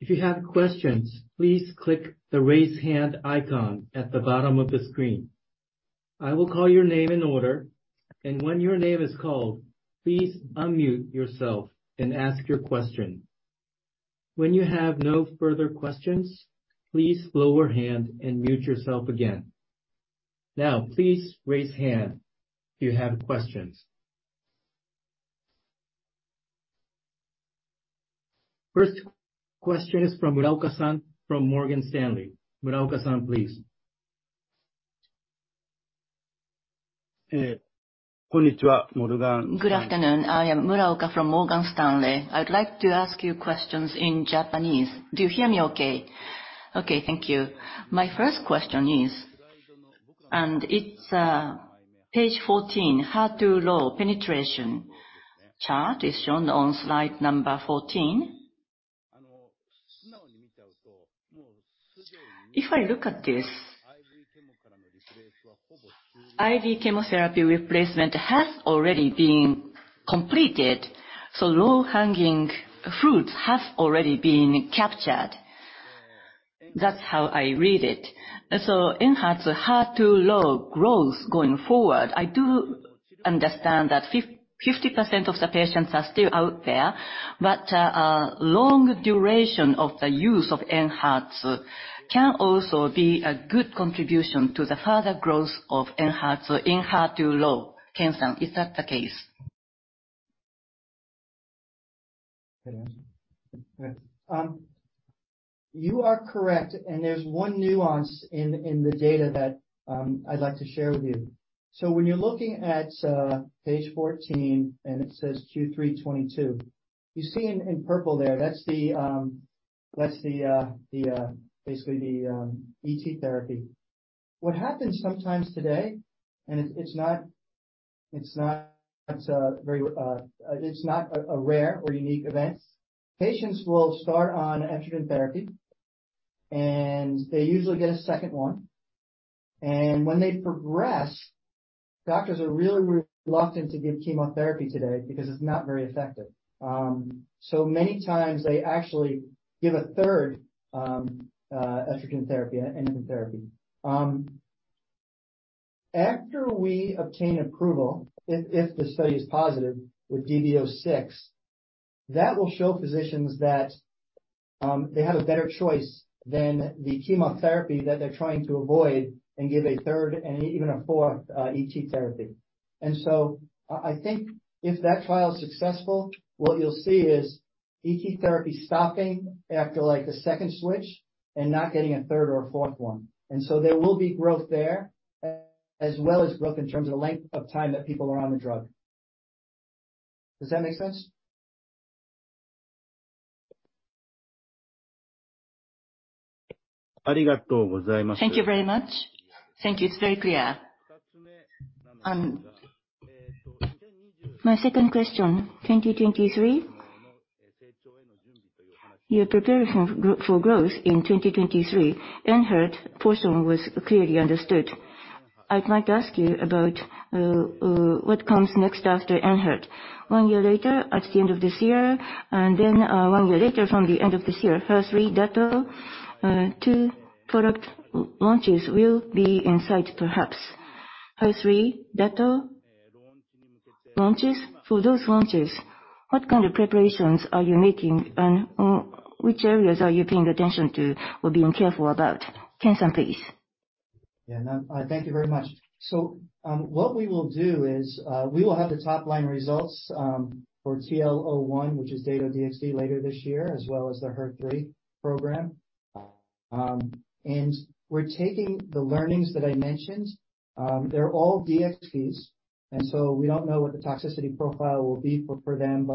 If you have questions, please click the Raise Hand icon at the bottom of the screen. I will call your name in order. When your name is called, please unmute yourself and ask your question. When you have no further questions, please lower hand and mute yourself again. Please raise hand if you have questions. First question is from Muraoka-san from Morgan Stanley. Muraoka-san, please. Good afternoon. I am Muraoka from Morgan Stanley. I'd like to ask you questions in Japanese. Do you hear me okay? Okay. Thank you. My first question is, and it's page 14, HER2-low penetration chart is shown on slide number 14. If I look at this, IV chemotherapy replacement has already been completed, low-hanging fruits have already been captured. That's how I read it. ENHERTU's HER2-low growth going forward, I do understand that 50% of the patients are still out there, but long duration of the use of ENHERTU can also be a good contribution to the further growth of ENHERTU. In HER2-low, Ken-san, is that the case? You are correct, there's one nuance in the data that I'd like to share with you. When you're looking at page 14 and it says Q3 22, you see in purple there, that's the basically the Endocrine therapy. What happens sometimes today, it's not very it's not a rare or unique event. Patients will start on estrogen therapy, they usually get a second one. When they progress, doctors are really reluctant to give chemotherapy today because it's not very effective. Many times they actually give a third estrogen therapy and therapy. After we obtain approval, if the study is positive with DB-06, that will show physicians that they have a better choice than the chemotherapy that they're trying to avoid and give a third and even a fourth Endocrine therapy. I think if that trial is successful, what you'll see is Endocrine therapy stopping after like the second switch and not getting a third or a fourth one. There will be growth there as well as growth in terms of length of time that people are on the drug. Does that make sense? Thank you very much. Thank you. It's very clear. My second question, 2023. Your preparation for growth in 2023, ENHERTU portion was clearly understood. I'd like to ask you about what comes next after ENHERTU. One year later, at the end of this year, one year later from the end of this year. HER3, Dato, two product launches will be in sight perhaps. HER3, Dato launches. For those launches, what kind of preparations are you making and which areas are you paying attention to or being careful about? Ken-san, please. Yeah, no. Thank you very much. What we will do is, we will have the top line results for TROPION-Lung01, which is Dato-DXd later this year, as well as the HER3 program. We're taking the learnings that I mentioned. They're all DXds, and so we don't know what the toxicity profile will be for them.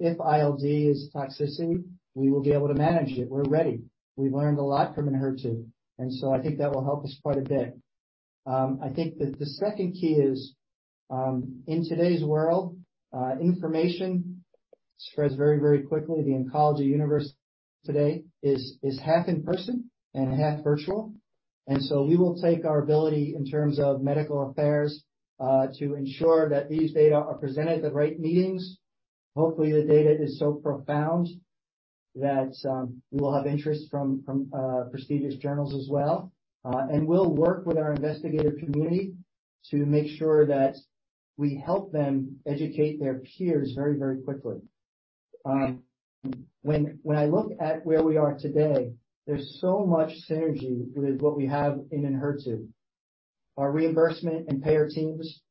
If ILD is toxicity, we will be able to manage it. We're ready. We've learned a lot from ENHERTU, and so I think that will help us quite a bit. I think that the second key is, in today's world, information spreads very, very quickly. The oncology universe today is half in person and half virtual. We will take our ability in terms of medical affairs to ensure that these data are presented at the right meetings. Hopefully, the data is so profound that we will have interest from prestigious journals as well. We'll work with our investigative community to make sure that we help them educate their peers very, very quickly. When I look at where we are today, there's so much synergy with what we have in ENHERTU. Our reimbursement and payer teams,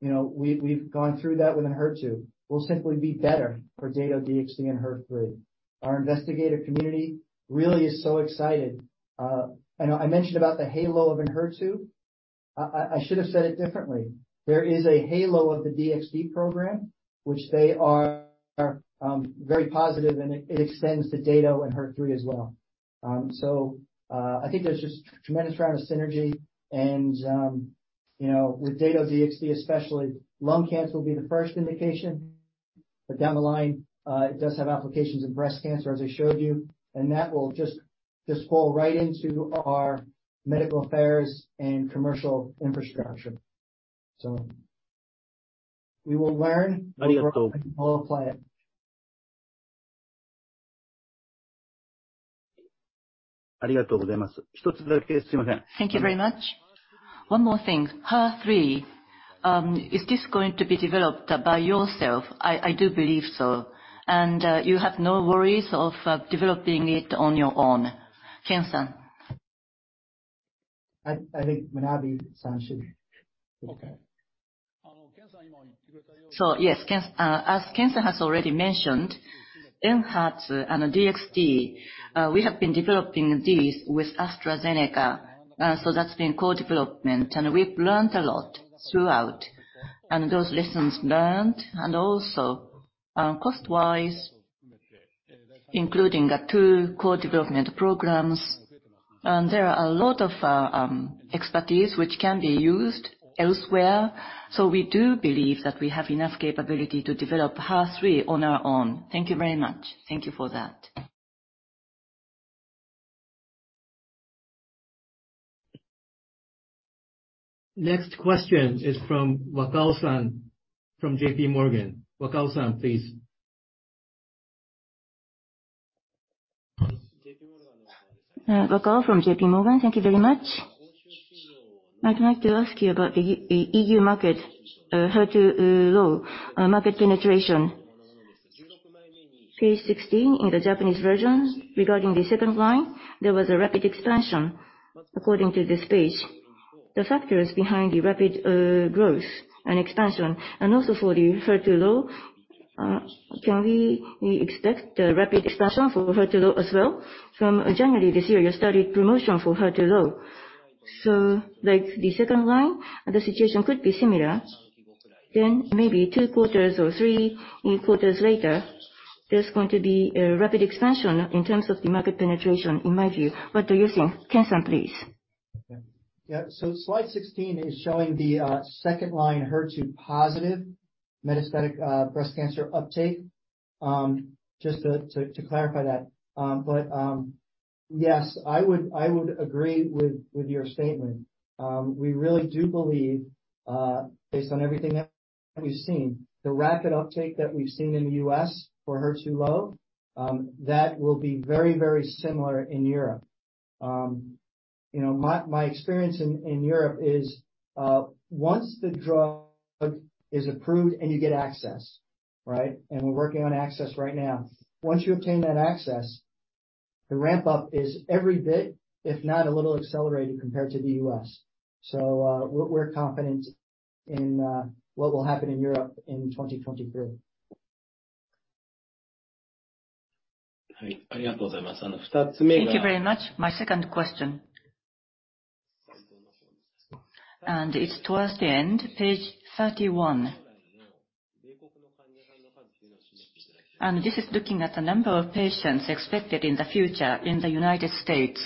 you know, we've gone through that with ENHERTU. We'll simply be better for Dato-DXd and HER3. Our investigative community really is so excited. I know I mentioned about the halo of ENHERTU. I should have said it differently. There is a halo of the DXd program, which they are very positive, and it extends to Dato and HER3 as well. I think there's just tremendous amount of synergy and, you know, with Dato-DXd especially, lung cancer will be the first indication. Down the line, it does have applications in breast cancer as I showed you, and that will just fall right into our medical affairs and commercial infrastructure. We'll apply it. Thank you very much. One more thing. HER3, is this going to be developed by yourself? I do believe so. You have no worries of developing it on your own. Ken-san. I think Manabe-san should. Okay. Yes, as Ken-san has already mentioned, ENHERTU and DXd, we have been developing these with AstraZeneca. That's been co-development, and we've learned a lot throughout. Those lessons learned and also, cost-wise. Including the two core development programs. There are a lot of expertise which can be used elsewhere. We do believe that we have enough capability to develop HER3 on our own. Thank you very much. Thank you for that. Next question is from Wakao-san from JP Morgan. Wakao-san, please. Wakao from JP Morgan. Thank you very much. I'd like to ask you about the EU market, HER2-low, market penetration. Page 16 in the Japanese version. Regarding the second line, there was a rapid expansion according to this page. The factors behind the rapid growth and expansion, and also for the HER2-low, can we expect a rapid expansion for HER2-low as well? From January this year, you started promotion for HER2-low. Like the second line, the situation could be similar. Maybe 2 quarters or 3 quarters later, there's going to be a rapid expansion in terms of the market penetration, in my view. What do you think? Ken-san, please. Slide 16 is showing the second line HER2-positive metastatic breast cancer uptake. Just to clarify that. Yes, I would agree with your statement. We really do believe, based on everything that we've seen, the rapid uptake that we've seen in the U.S. for HER2-low, that will be very, very similar in Europe. You know, my experience in Europe is once the drug is approved and you get access, right? We're working on access right now. Once you obtain that access, the ramp up is every bit, if not a little accelerated compared to the U.S. We're confident in what will happen in Europe in 2023. Thank you very much. My second question. It's towards the end, page 31. This is looking at the number of patients expected in the future in the United States,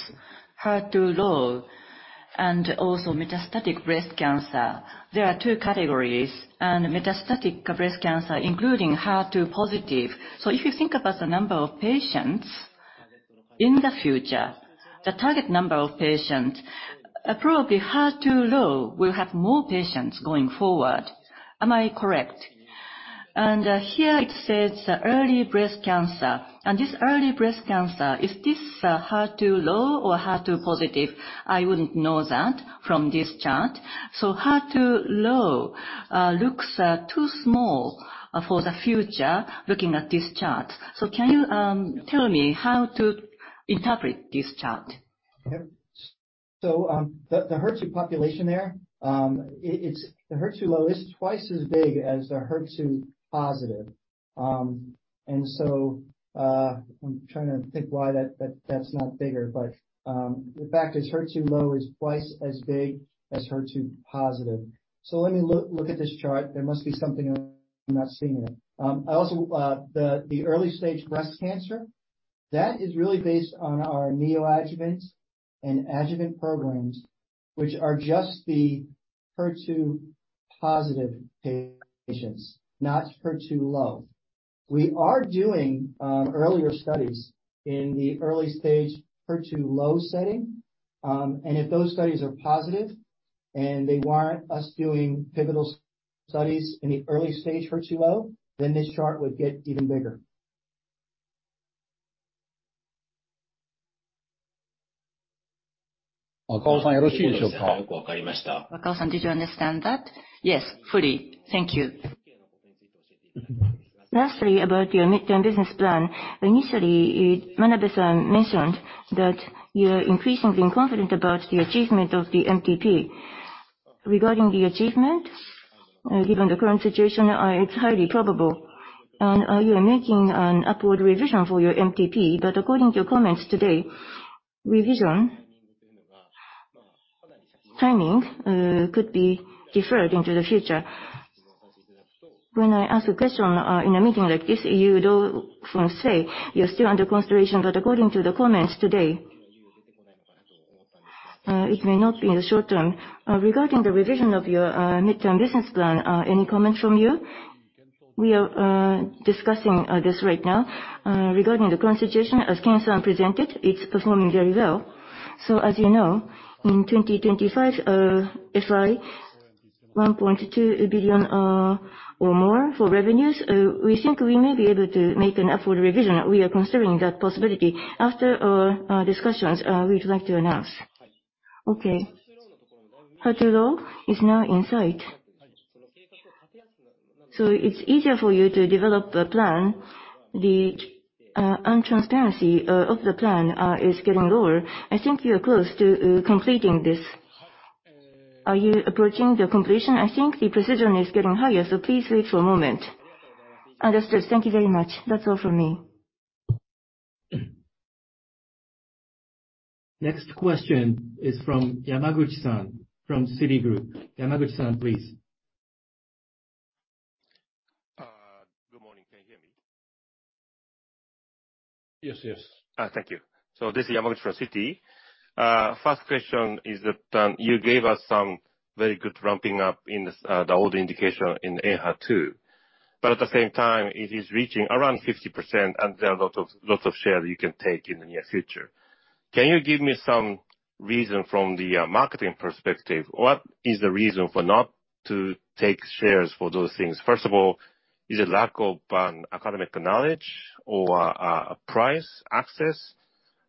HER2-low and also metastatic breast cancer. There are two categories, metastatic breast cancer, including HER2-positive. If you think about the number of patients in the future, the target number of patients, probably HER2-low will have more patients going forward. Am I correct? Here it says early breast cancer. This early breast cancer, is this HER2-low or HER2-positive? I wouldn't know that from this chart. HER2-low looks too small for the future, looking at this chart. Can you tell me how to interpret this chart? Okay. The HER2 population there, The HER2-low is twice as big as the HER2 positive. I'm trying to think why that's not bigger. The fact is HER2-low is twice as big as HER2 positive. Let me look at this chart. There must be something I'm not seeing here. Also, the early-stage breast cancer, that is really based on our neoadjuvant and adjuvant programs, which are just the HER2 positive patients, not HER2-low. We are doing earlier studies in the early-stage HER2-low setting. If those studies are positive and they warrant us doing pivotal studies in the early-stage HER2-low, this chart would get even bigger. Wakao-san, did you understand that? Yes, fully. Thank you. Lastly, about your midterm business plan. Initially, Manabe-san mentioned that you are increasingly confident about the achievement of the MTP. Regarding the achievement, given the current situation, it's highly probable. You are making an upward revision for your MTP. According to your comments today, revision timing could be deferred into the future. When I ask a question in a meeting like this, you would often say you're still under consideration. According to the comments today, it may not be in the short term. Regarding the revision of your midterm business plan, any comment from you? We are discussing this right now. Regarding the current situation, as Ken-san presented, it's performing very well. As you know, in 2025, FY 1.2 billion or more for revenues, we think we may be able to make an upward revision. We are considering that possibility. After our discussions, we would like to announce. Okay. HER2-low is now in sight. It's easier for you to develop a plan. The untransparency of the plan is getting lower. I think you're close to completing this. Are you approaching the completion? I think the precision is getting higher, so please wait for a moment. Understood. Thank you very much. That's all from me. Next question is from Yamaguchi-san from Citigroup. Yamaguchi-san, please. Good morning. Can you hear me? Yes, yes. Thank you. This is Yamaguchi from Citi. First question is that you gave us some very good ramping up in the old indication in ENHERTU. At the same time, it is reaching around 50% and there are lots of shares you can take in the near future. Can you give me some reason from the marketing perspective, what is the reason for not to take shares for those things? First of all, is it lack of academic knowledge or price access,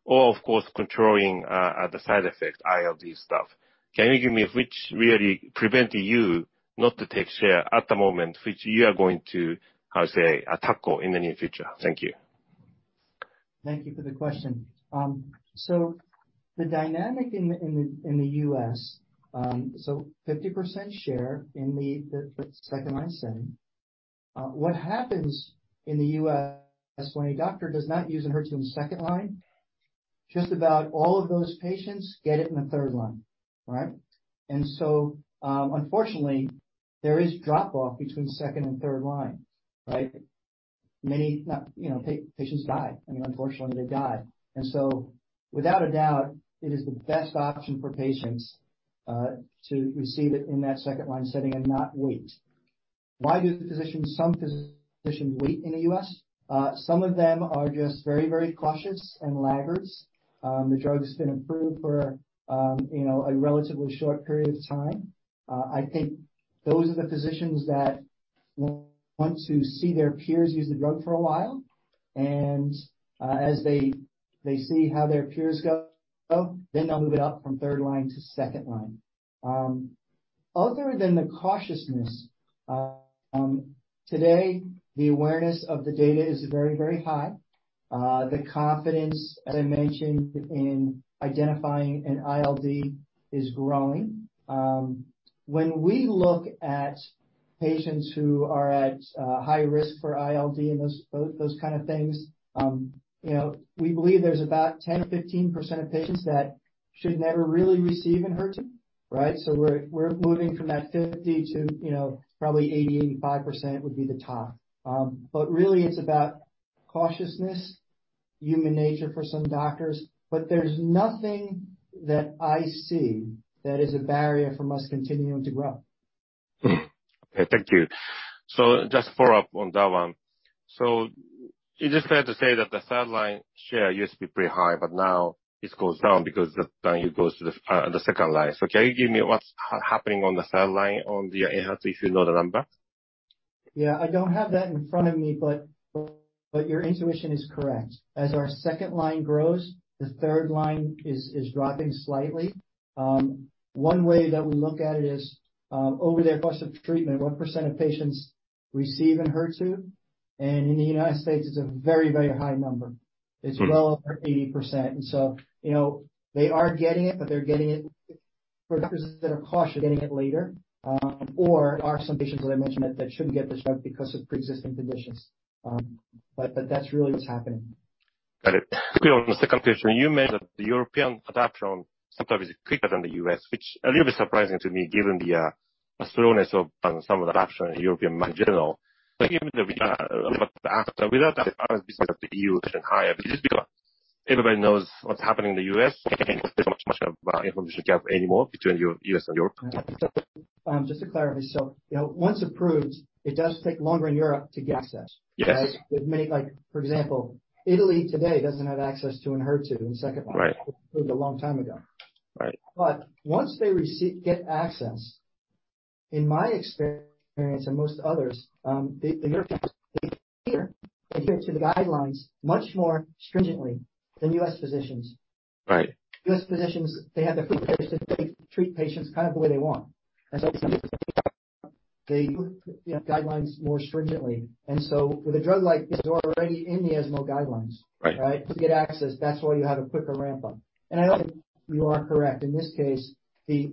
or of course, controlling the side effect ILD stuff? Can you give me which really prevent you not to take share at the moment, which you are going to, how you say, tackle in the near future? Thank you. Thank you for the question. The dynamic in the U.S., 50% share in the second line setting. What happens in the U.S. when a doctor does not use ENHERTU in second line, just about all of those patients get it in the third line. Right? Unfortunately, there is drop off between second and third line. Right? Many not, you know, patients die. I mean, unfortunately, they die. Without a doubt, it is the best option for patients to receive it in that second line setting and not wait. Why do some physicians wait in the U.S.? Some of them are just very, very cautious and laggards. The drug's been approved for you know, a relatively short period of time. I think those are the physicians that want to see their peers use the drug for a while, and as they see how their peers go, then they'll move it up from third line to second line. Other than the cautiousness, today, the awareness of the data is very, very high. The confidence, as I mentioned, in identifying an ILD is growing. When we look at patients who are at high risk for ILD and those kind of things, you know, we believe there's about 10% or 15% of patients that should never really receive ENHERTU, right? We're moving from that 50 to, you know, probably 80%-85% would be the top. Really it's about cautiousness, human nature for some doctors, but there's nothing that I see that is a barrier for us continuing to grow. Okay, thank you. Just follow up on that one. It is fair to say that the third line share used to be pretty high, but now it goes down because the value goes to the second line. Can you give me what's happening on the third line on the ENHERTU, if you know the number? Yeah, I don't have that in front of me, but your intuition is correct. As our second line grows, the third line is dropping slightly. One way that we look at it is over the course of treatment, what % of patients receive Enhertu? In the United States it's a very, very high number. Mm. It's well over 80%. You know, they are getting it, but for doctors that are cautious, they're getting it later, or are some patients, as I mentioned, that shouldn't get this drug because of pre-existing conditions. That's really what's happening. Got it. On the second question, you mentioned that the European adoption sometimes is quicker than the U.S., which a little bit surprising to me, given the slowness of some of the adoption in European market in general. Can you give me a little bit of the insight. Without the business of the EU higher, is this because everybody knows what's happening in the U.S., there's not much of information gap anymore between U.S. and Europe? Just to clarify. You know, once approved, it does take longer in Europe to get access. Yes. Right? Like for example, Italy today doesn't have access to Enhertu in second line. Right. Approved a long time ago. Right. Once they get access, in my experience and most others, the Europeans adhere to the guidelines much more stringently than U.S. physicians. Right. US physicians, they have the freedom to treat patients kind of the way they want. They follow the guidelines more stringently. With a drug like this already in the ESMO guidelines. Right. right? To get access, that's why you have a quicker ramp up. I think you are correct. In this case, the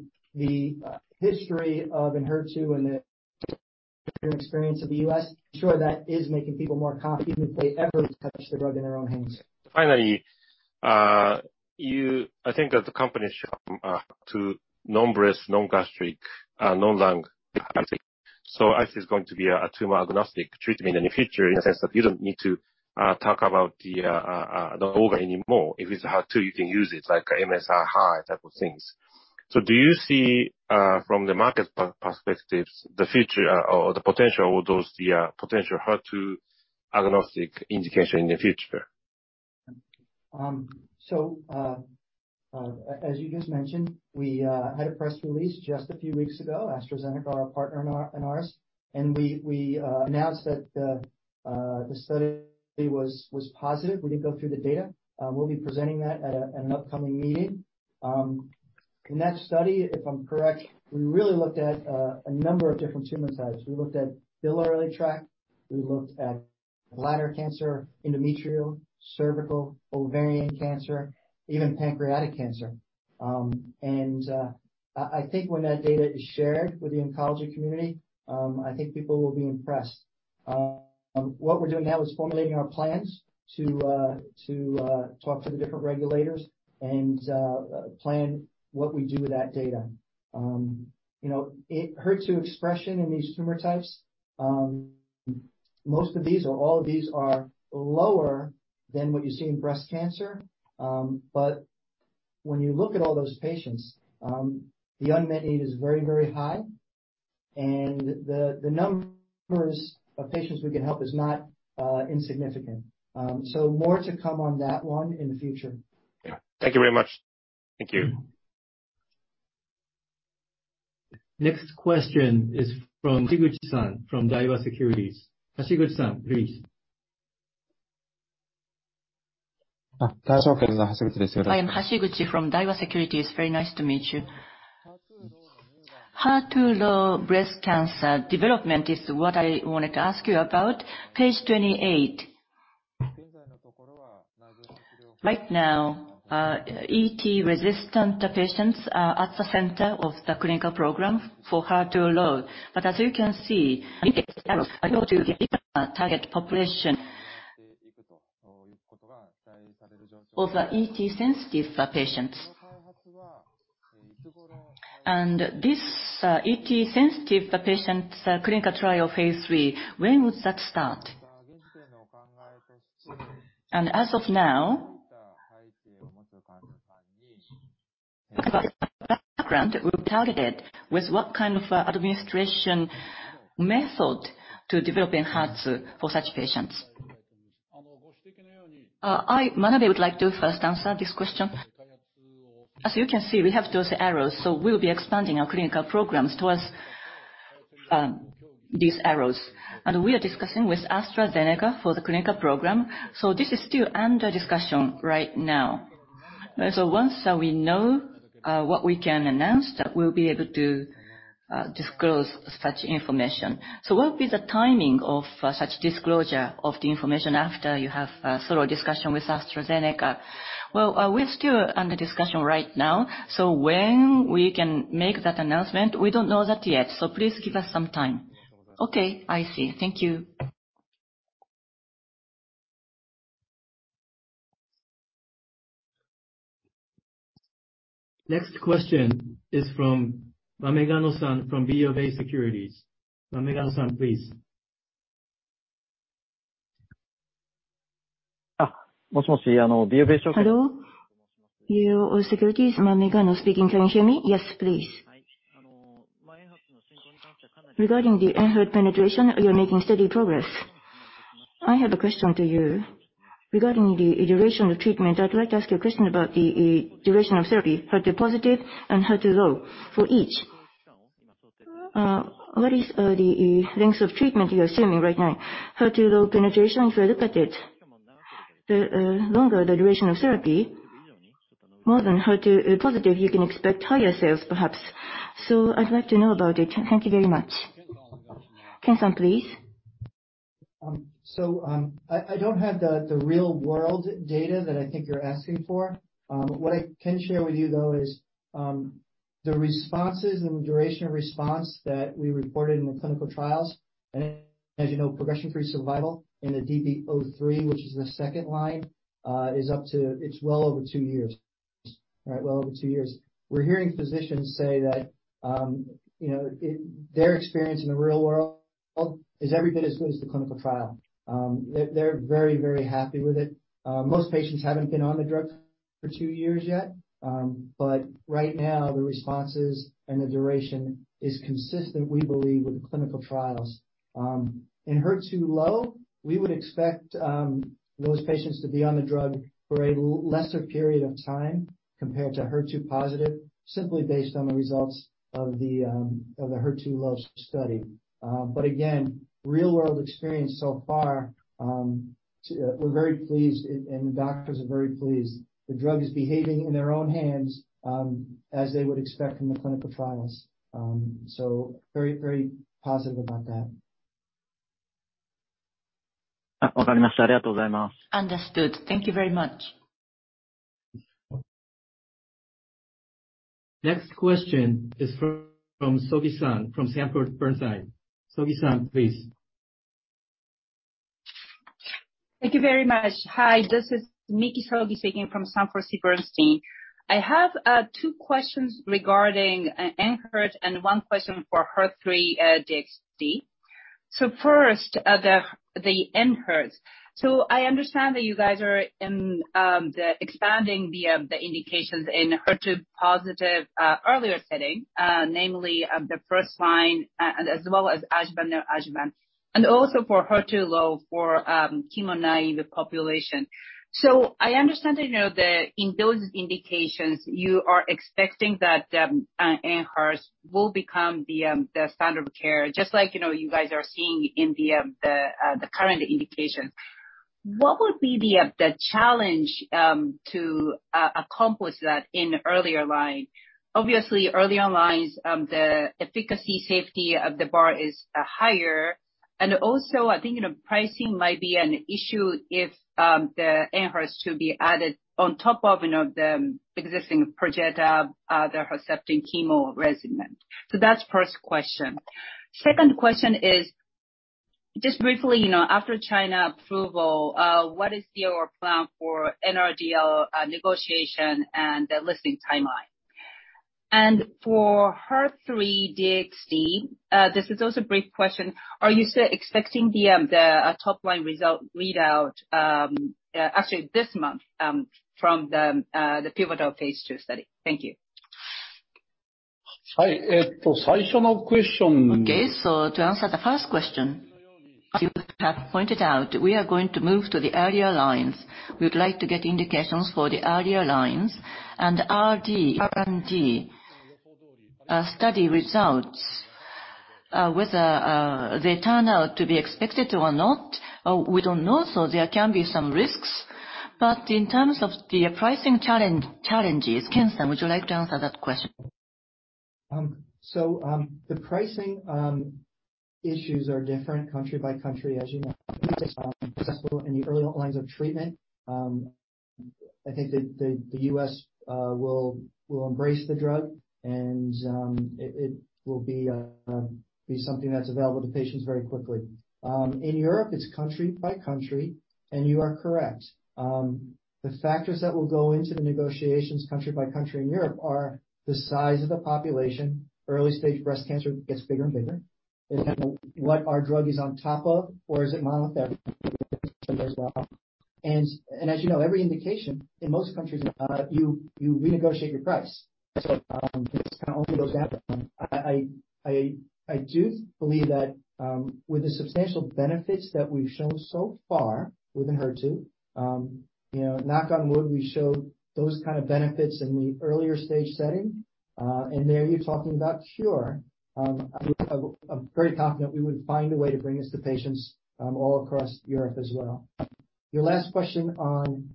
history of ENHERTU and the experience of the U.S., I'm sure that is making people more confident they ever touch the drug in their own hands. I think that the company should, to non-breast, non-gastric, non-lung. Mm. Actually it's going to be a tumor-agnostic treatment in the future in the sense that you don't need to talk about the organ anymore. If it's HER2, you can use it like MSI-H type of things. Do you see from the market perspectives, the future or the potential of those, the potential HER2-agnostic indication in the future? As you just mentioned, we had a press release just a few weeks ago, AstraZeneca are a partner in ours, and we announced that the study was positive. We did go through the data. We'll be presenting that at an upcoming meeting. In that study, if I'm correct, we really looked at a number of different tumor types. We looked at biliary tract, we looked at bladder cancer, endometrial, cervical, ovarian cancer, even pancreatic cancer. I think when that data is shared with the oncology community, I think people will be impressed. What we're doing now is formulating our plans to talk to the different regulators and plan what we do with that data. You know, HER2 expression in these tumor types, most of these or all of these are lower than what you see in breast cancer. When you look at all those patients, the unmet need is very, very high. The numbers of patients we can help is not insignificant. More to come on that one in the future. Thank you very much. Thank you. Next question is from Hashiguchi-san from Daiwa Securities. Hashiguchi-san, please. I am Hashiguchi from Daiwa Securities. Very nice to meet you. HER2-low breast cancer development is what I wanted to ask you about. Page 28. Right now, ET-resistant patients are at the center of the clinical program for HER2-low. As you can see, target population of the ET sensitive patients. This ET sensitive patients clinical trial phase 3, when would that start? As of now, what kind of background will target it? With what kind of administration method to developing HER2 for such patients? Manabe would like to first answer this question. As you can see, we have those arrows. We'll be expanding our clinical programs towards these arrows. We are discussing with AstraZeneca for the clinical program. This is still under discussion right now. Once we know what we can announce, we'll be able to disclose such information. What will be the timing of such disclosure of the information after you have a thorough discussion with AstraZeneca? We're still under discussion right now, so when we can make that announcement, we don't know that yet. Please give us some time. Okay, I see. Thank you. Next question is from Amegano-san from BofA Securities. Amegano-san, please. Hello, BofA Securities, Amegano speaking. Can you hear me? Yes, please. Regarding the ENHERTU penetration, you're making steady progress. I have a question to you. Regarding the duration of treatment, I'd like to ask you a question about the duration of therapy, HER2 positive and HER2-low, for each. What is the length of treatment you're assuming right now? HER2-low penetration, if I look at it, the longer the duration of therapy, more than HER2 positive, you can expect higher sales, perhaps. I'd like to know about it. Thank you very much. Ken-san, please. I don't have the real world data that I think you're asking for. What I can share with you though is the responses and duration of response that we reported in the clinical trials. As you know, progression-free survival in the DB03, which is the second line, is up to. It's well over two years. All right. Well over two years. We're hearing physicians say that, you know, their experience in the real world is every bit as good as the clinical trial. They're very, very happy with it. Most patients haven't been on the drug for two years yet. Right now, the responses and the duration is consistent, we believe, with the clinical trials. In HER2-low, we would expect those patients to be on the drug for a lesser period of time compared to HER2-positive, simply based on the results of the HER2-low study. Again, real-world experience so far, we're very pleased and the doctors are very pleased. The drug is behaving in their own hands as they would expect from the clinical trials. Very, very positive about that. Understood. Thank you very much. Next question is from Sogi-san from Sanford C. Bernstein. Sogi-san, please. Thank you very much. Hi. This is Miki Sogi speaking from Sanford C. Bernstein. I have two questions regarding ENHERTU and one question for HER3-DXd. First, the ENHERTU. I understand that you guys are in the expanding the indications in HER2-positive earlier setting, namely the first line, as well as adjuvant, neoadjuvant. Also for HER2-low for chemo-naive population. I understand that, you know, that in those indications, you are expecting that ENHERTU will become the standard of care, just like, you know, you guys are seeing in the current indications. What would be the challenge to accomplish that in earlier line? Obviously, earlier lines, the efficacy, safety of the bar is higher. Also, I think, you know, pricing might be an issue if ENHERTU should be added on top of, you know, the existing Perjeta, Herceptin chemo regimen. That's first question. Second question. Just briefly, you know, after China approval, what is your plan for NRDL negotiation and the listing timeline? For HER3-DXd, this is also a brief question, are you expecting the top-line result readout actually this month from the pivotal phase 2 study? Thank you. Okay. To answer the first question, as you have pointed out, we are going to move to the earlier lines. We would like to get indications for the earlier lines. R&D study results, whether they turn out to be expected or not, we don't know, so there can be some risks. In terms of the pricing challenges, Ken-san, would you like to answer that question? The pricing issues are different country by country, as you know. Mm-hmm. Successful in the early lines of treatment. I think that the U.S. will embrace the drug and it will be something that's available to patients very quickly. In Europe, it's country by country. You are correct. The factors that will go into the negotiations country by country in Europe are the size of the population, early-stage breast cancer gets bigger and bigger. Mm-hmm. Is that what our drug is on top of, or is it mono-therapy as well? As you know, every indication, in most countries, you renegotiate your price. It kind of only goes down. I do believe that with the substantial benefits that we've shown so far within HER2, you know, knock on wood, we show those kind of benefits in the earlier stage setting, and there you're talking about cure. I'm very confident we would find a way to bring this to patients, all across Europe as well. Your last question on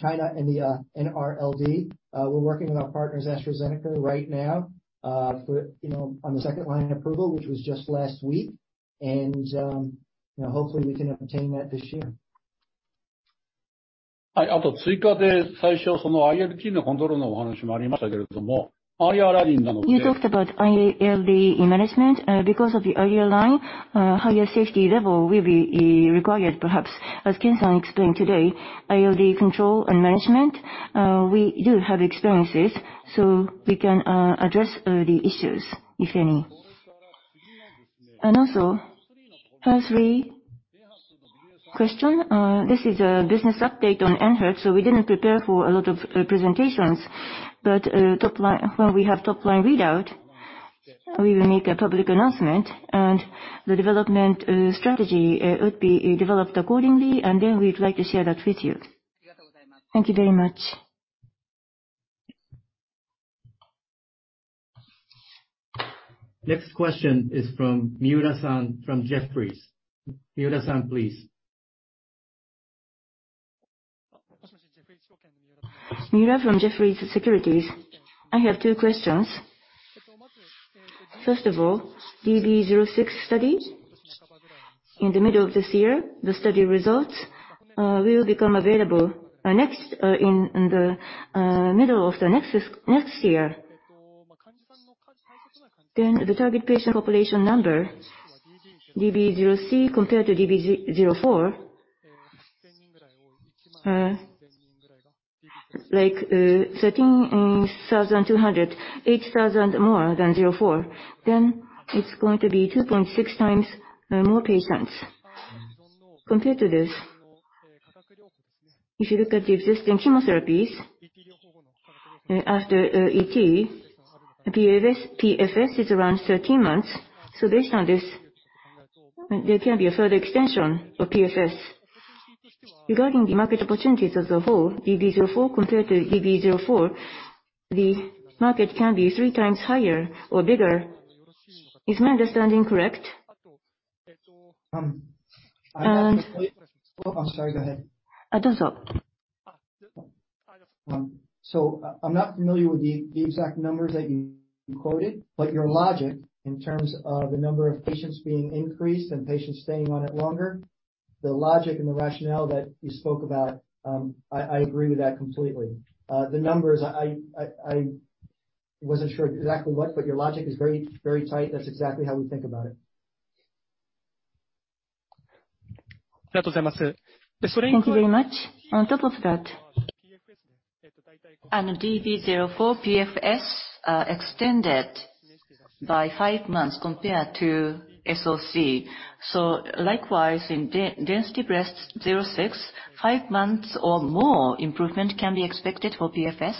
China and the NRDL. We're working with our partners, AstraZeneca, right now, for, you know, on the second-line approval, which was just last week. You know, hopefully we can obtain that this year. You talked about ILD management. Because of the earlier line, higher safety level will be required, perhaps. As Ken-san explained today, ILD control and management, we do have experiences, so we can address the issues, if any. First three question, this is a business update on ENHERTU, so we didn't prepare for a lot of presentations. When we have top-line readout, we will make a public announcement, and the development strategy would be developed accordingly, and then we'd like to share that with you. Thank you very much. Next question is from Miura-san from Jefferies. Miura-san, please. Miura from Jefferies Securities. I have 2 questions. First of all, DB06 study. In the middle of this year, the study results will become available next in the middle of the next year. The target patient population number, DB03 compared to DB04, 13,200, 8,000 more than 04, it's going to be 2.6 times more patients. Compared to this, if you look at the existing chemotherapies, after ET, PFS is around 13 months. Based on this, there can be a further extension of PFS. Regarding the market opportunities as a whole, DB04 compared to DB04, the market can be 3 times higher or bigger. Is my understanding correct? I'm not familiar- And- I'm sorry. Go ahead. Don't stop. I'm not familiar with the exact numbers that you quoted, but your logic in terms of the number of patients being increased and patients staying on it longer, the logic and the rationale that you spoke about, I agree with that completely. The numbers, I wasn't sure exactly what, but your logic is very, very tight. That's exactly how we think about it. Thank you very much. On top of that, on DB04 PFS, extended by 5 months compared to SoC. Likewise in DESTINY-Breast06, 5 months or more improvement can be expected for PFS?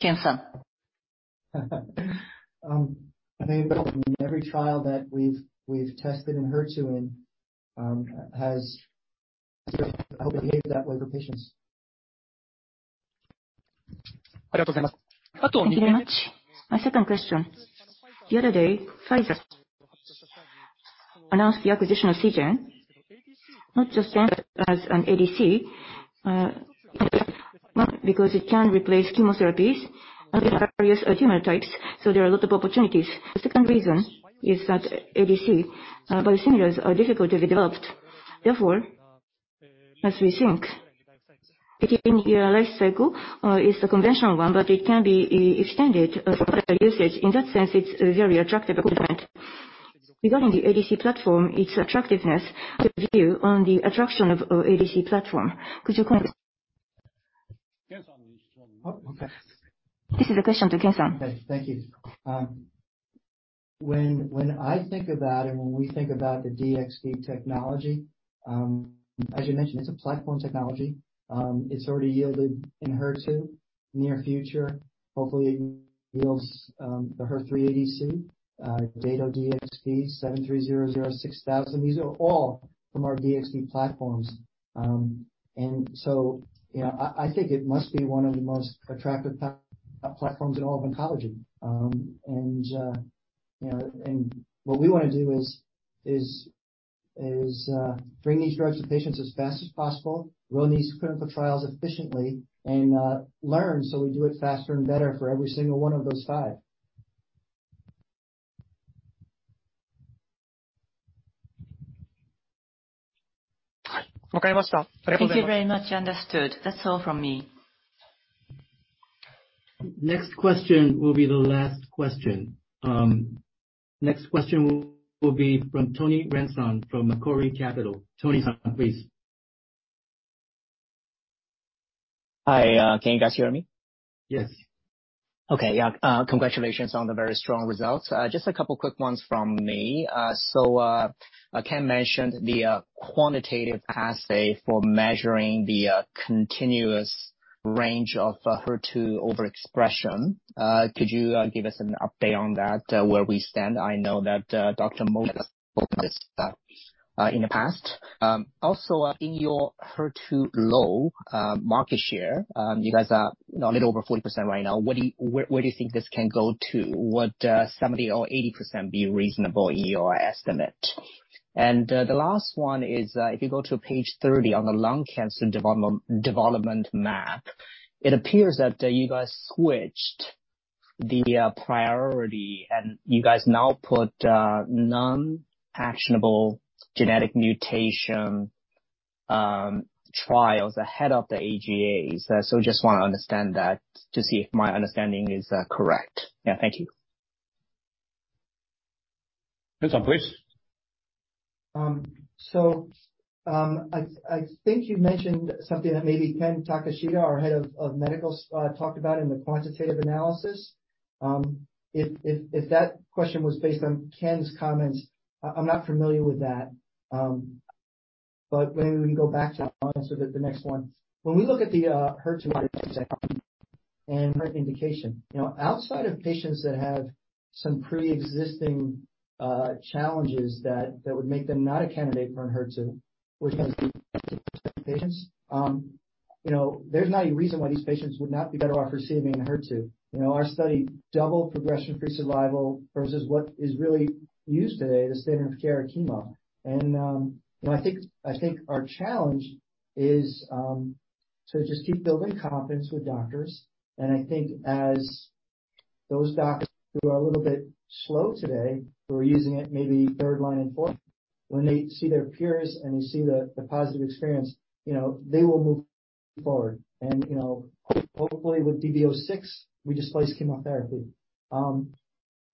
Ken-san. I mean, every trial that we've tested in HER2 in has behaved that way for patients. Thank you very much. My second question. The other day, Pfizer announced the acquisition of Seagen, not just as an ADC, not because it can replace chemotherapies and various tumor types, so there are a lot of opportunities. The second reason is that ADC biosimilars are difficult to be developed. It in your life cycle is the conventional one, but it can be extended usage. In that sense it's very attractive. Regarding the ADC platform, its attractiveness to view on the attraction of ADC platform. Could you comment? Ken-san. Oh, okay. This is a question to Ken-san. Okay, thank you. When I think about it and when we think about the DXd technology, as you mentioned, it's a platform technology. It's already yielded in HER2 near future. Hopefully it yields the HER3 ADC, Dato-DXd, DS-7300, DS-6000. These are all from our DXd platforms. So, you know, I think it must be one of the most attractive platforms in all of oncology. You know, what we want to do is bring these drugs to patients as fast as possible, run these clinical trials efficiently and learn so we do it faster and better for every single one of those 5. Thank you very much. Understood. That's all from me. Next question will be the last question. Next question will be from Tony Ren-san, from Macquarie Capital. Tony-san, please. Hi, can you guys hear me? Yes. Okay. Yeah, congratulations on the very strong results. Just a couple quick ones from me. Ken mentioned the quantitative assay for measuring the continuous range of HER2 overexpression. Could you give us an update on that, where we stand? I know that Dr. Modi spoke on this in the past. Also, in your HER2-low market share, you guys are a little over 40% right now. Where do you think this can go to? Would 70% or 80% be reasonable in your estimate? The last one is, if you go to page 30 on the lung cancer development map. It appears that you guys switched the priority, and you guys now put non-actionable genetic mutation trials ahead of the AGAs. Just wanna understand that to see if my understanding is correct. Yeah. Thank you. Ken-san, please. I think you mentioned something that maybe Ken Takeshita, our head of medical, talked about in the quantitative analysis. If that question was based on Ken's comments, I'm not familiar with that. Maybe we can go back to that answer the next one. When we look at the HER2 and right indication, you know, outside of patients that have some preexisting challenges that would make them not a candidate for an HER2, which is patients. You know, there's not any reason why these patients would not be better off receiving an HER2. You know, our study doubled progression-free survival versus what is really used today, the standard of care chemo. You know, I think our challenge is to just keep building confidence with doctors. I think as those docs who are a little bit slow today, who are using it maybe third line and fourth, when they see their peers and they see the positive experience, you know, they will move forward. You know, hopefully with DB-06 we displace chemotherapy.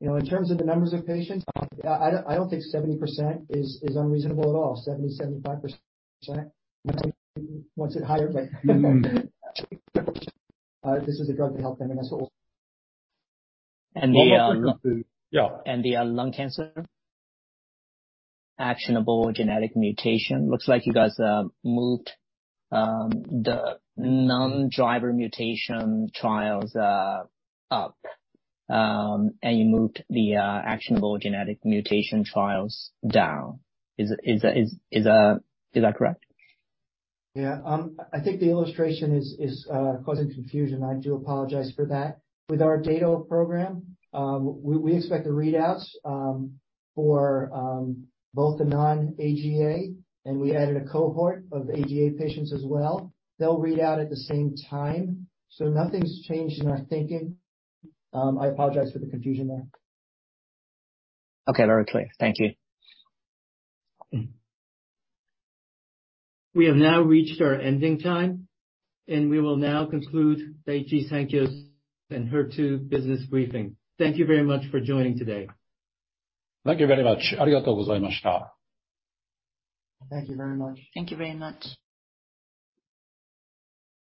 You know, in terms of the numbers of patients, I don't think 70% is unreasonable at all. 70%-75%. Wants it higher, this is a drug to help them. And the, uh- Yeah. The lung cancer actionable genetic mutation. Looks like you guys moved the non-driver mutation trials up, and you moved the actionable genetic mutation trials down. Is that correct? Yeah. I think the illustration is causing confusion. I do apologize for that. With our Dato program, we expect the readouts for both the non-AGA, and we added a cohort of AGA patients as well. They'll read out at the same time. Nothing's changed in our thinking. I apologize for the confusion there. Okay. Very clear. Thank you. We have now reached our ending time, and we will now conclude Daiichi Sankyo's and HER2 Business Briefing. Thank you very much for joining today. Thank you very much. Thank you very much. Thank you very much.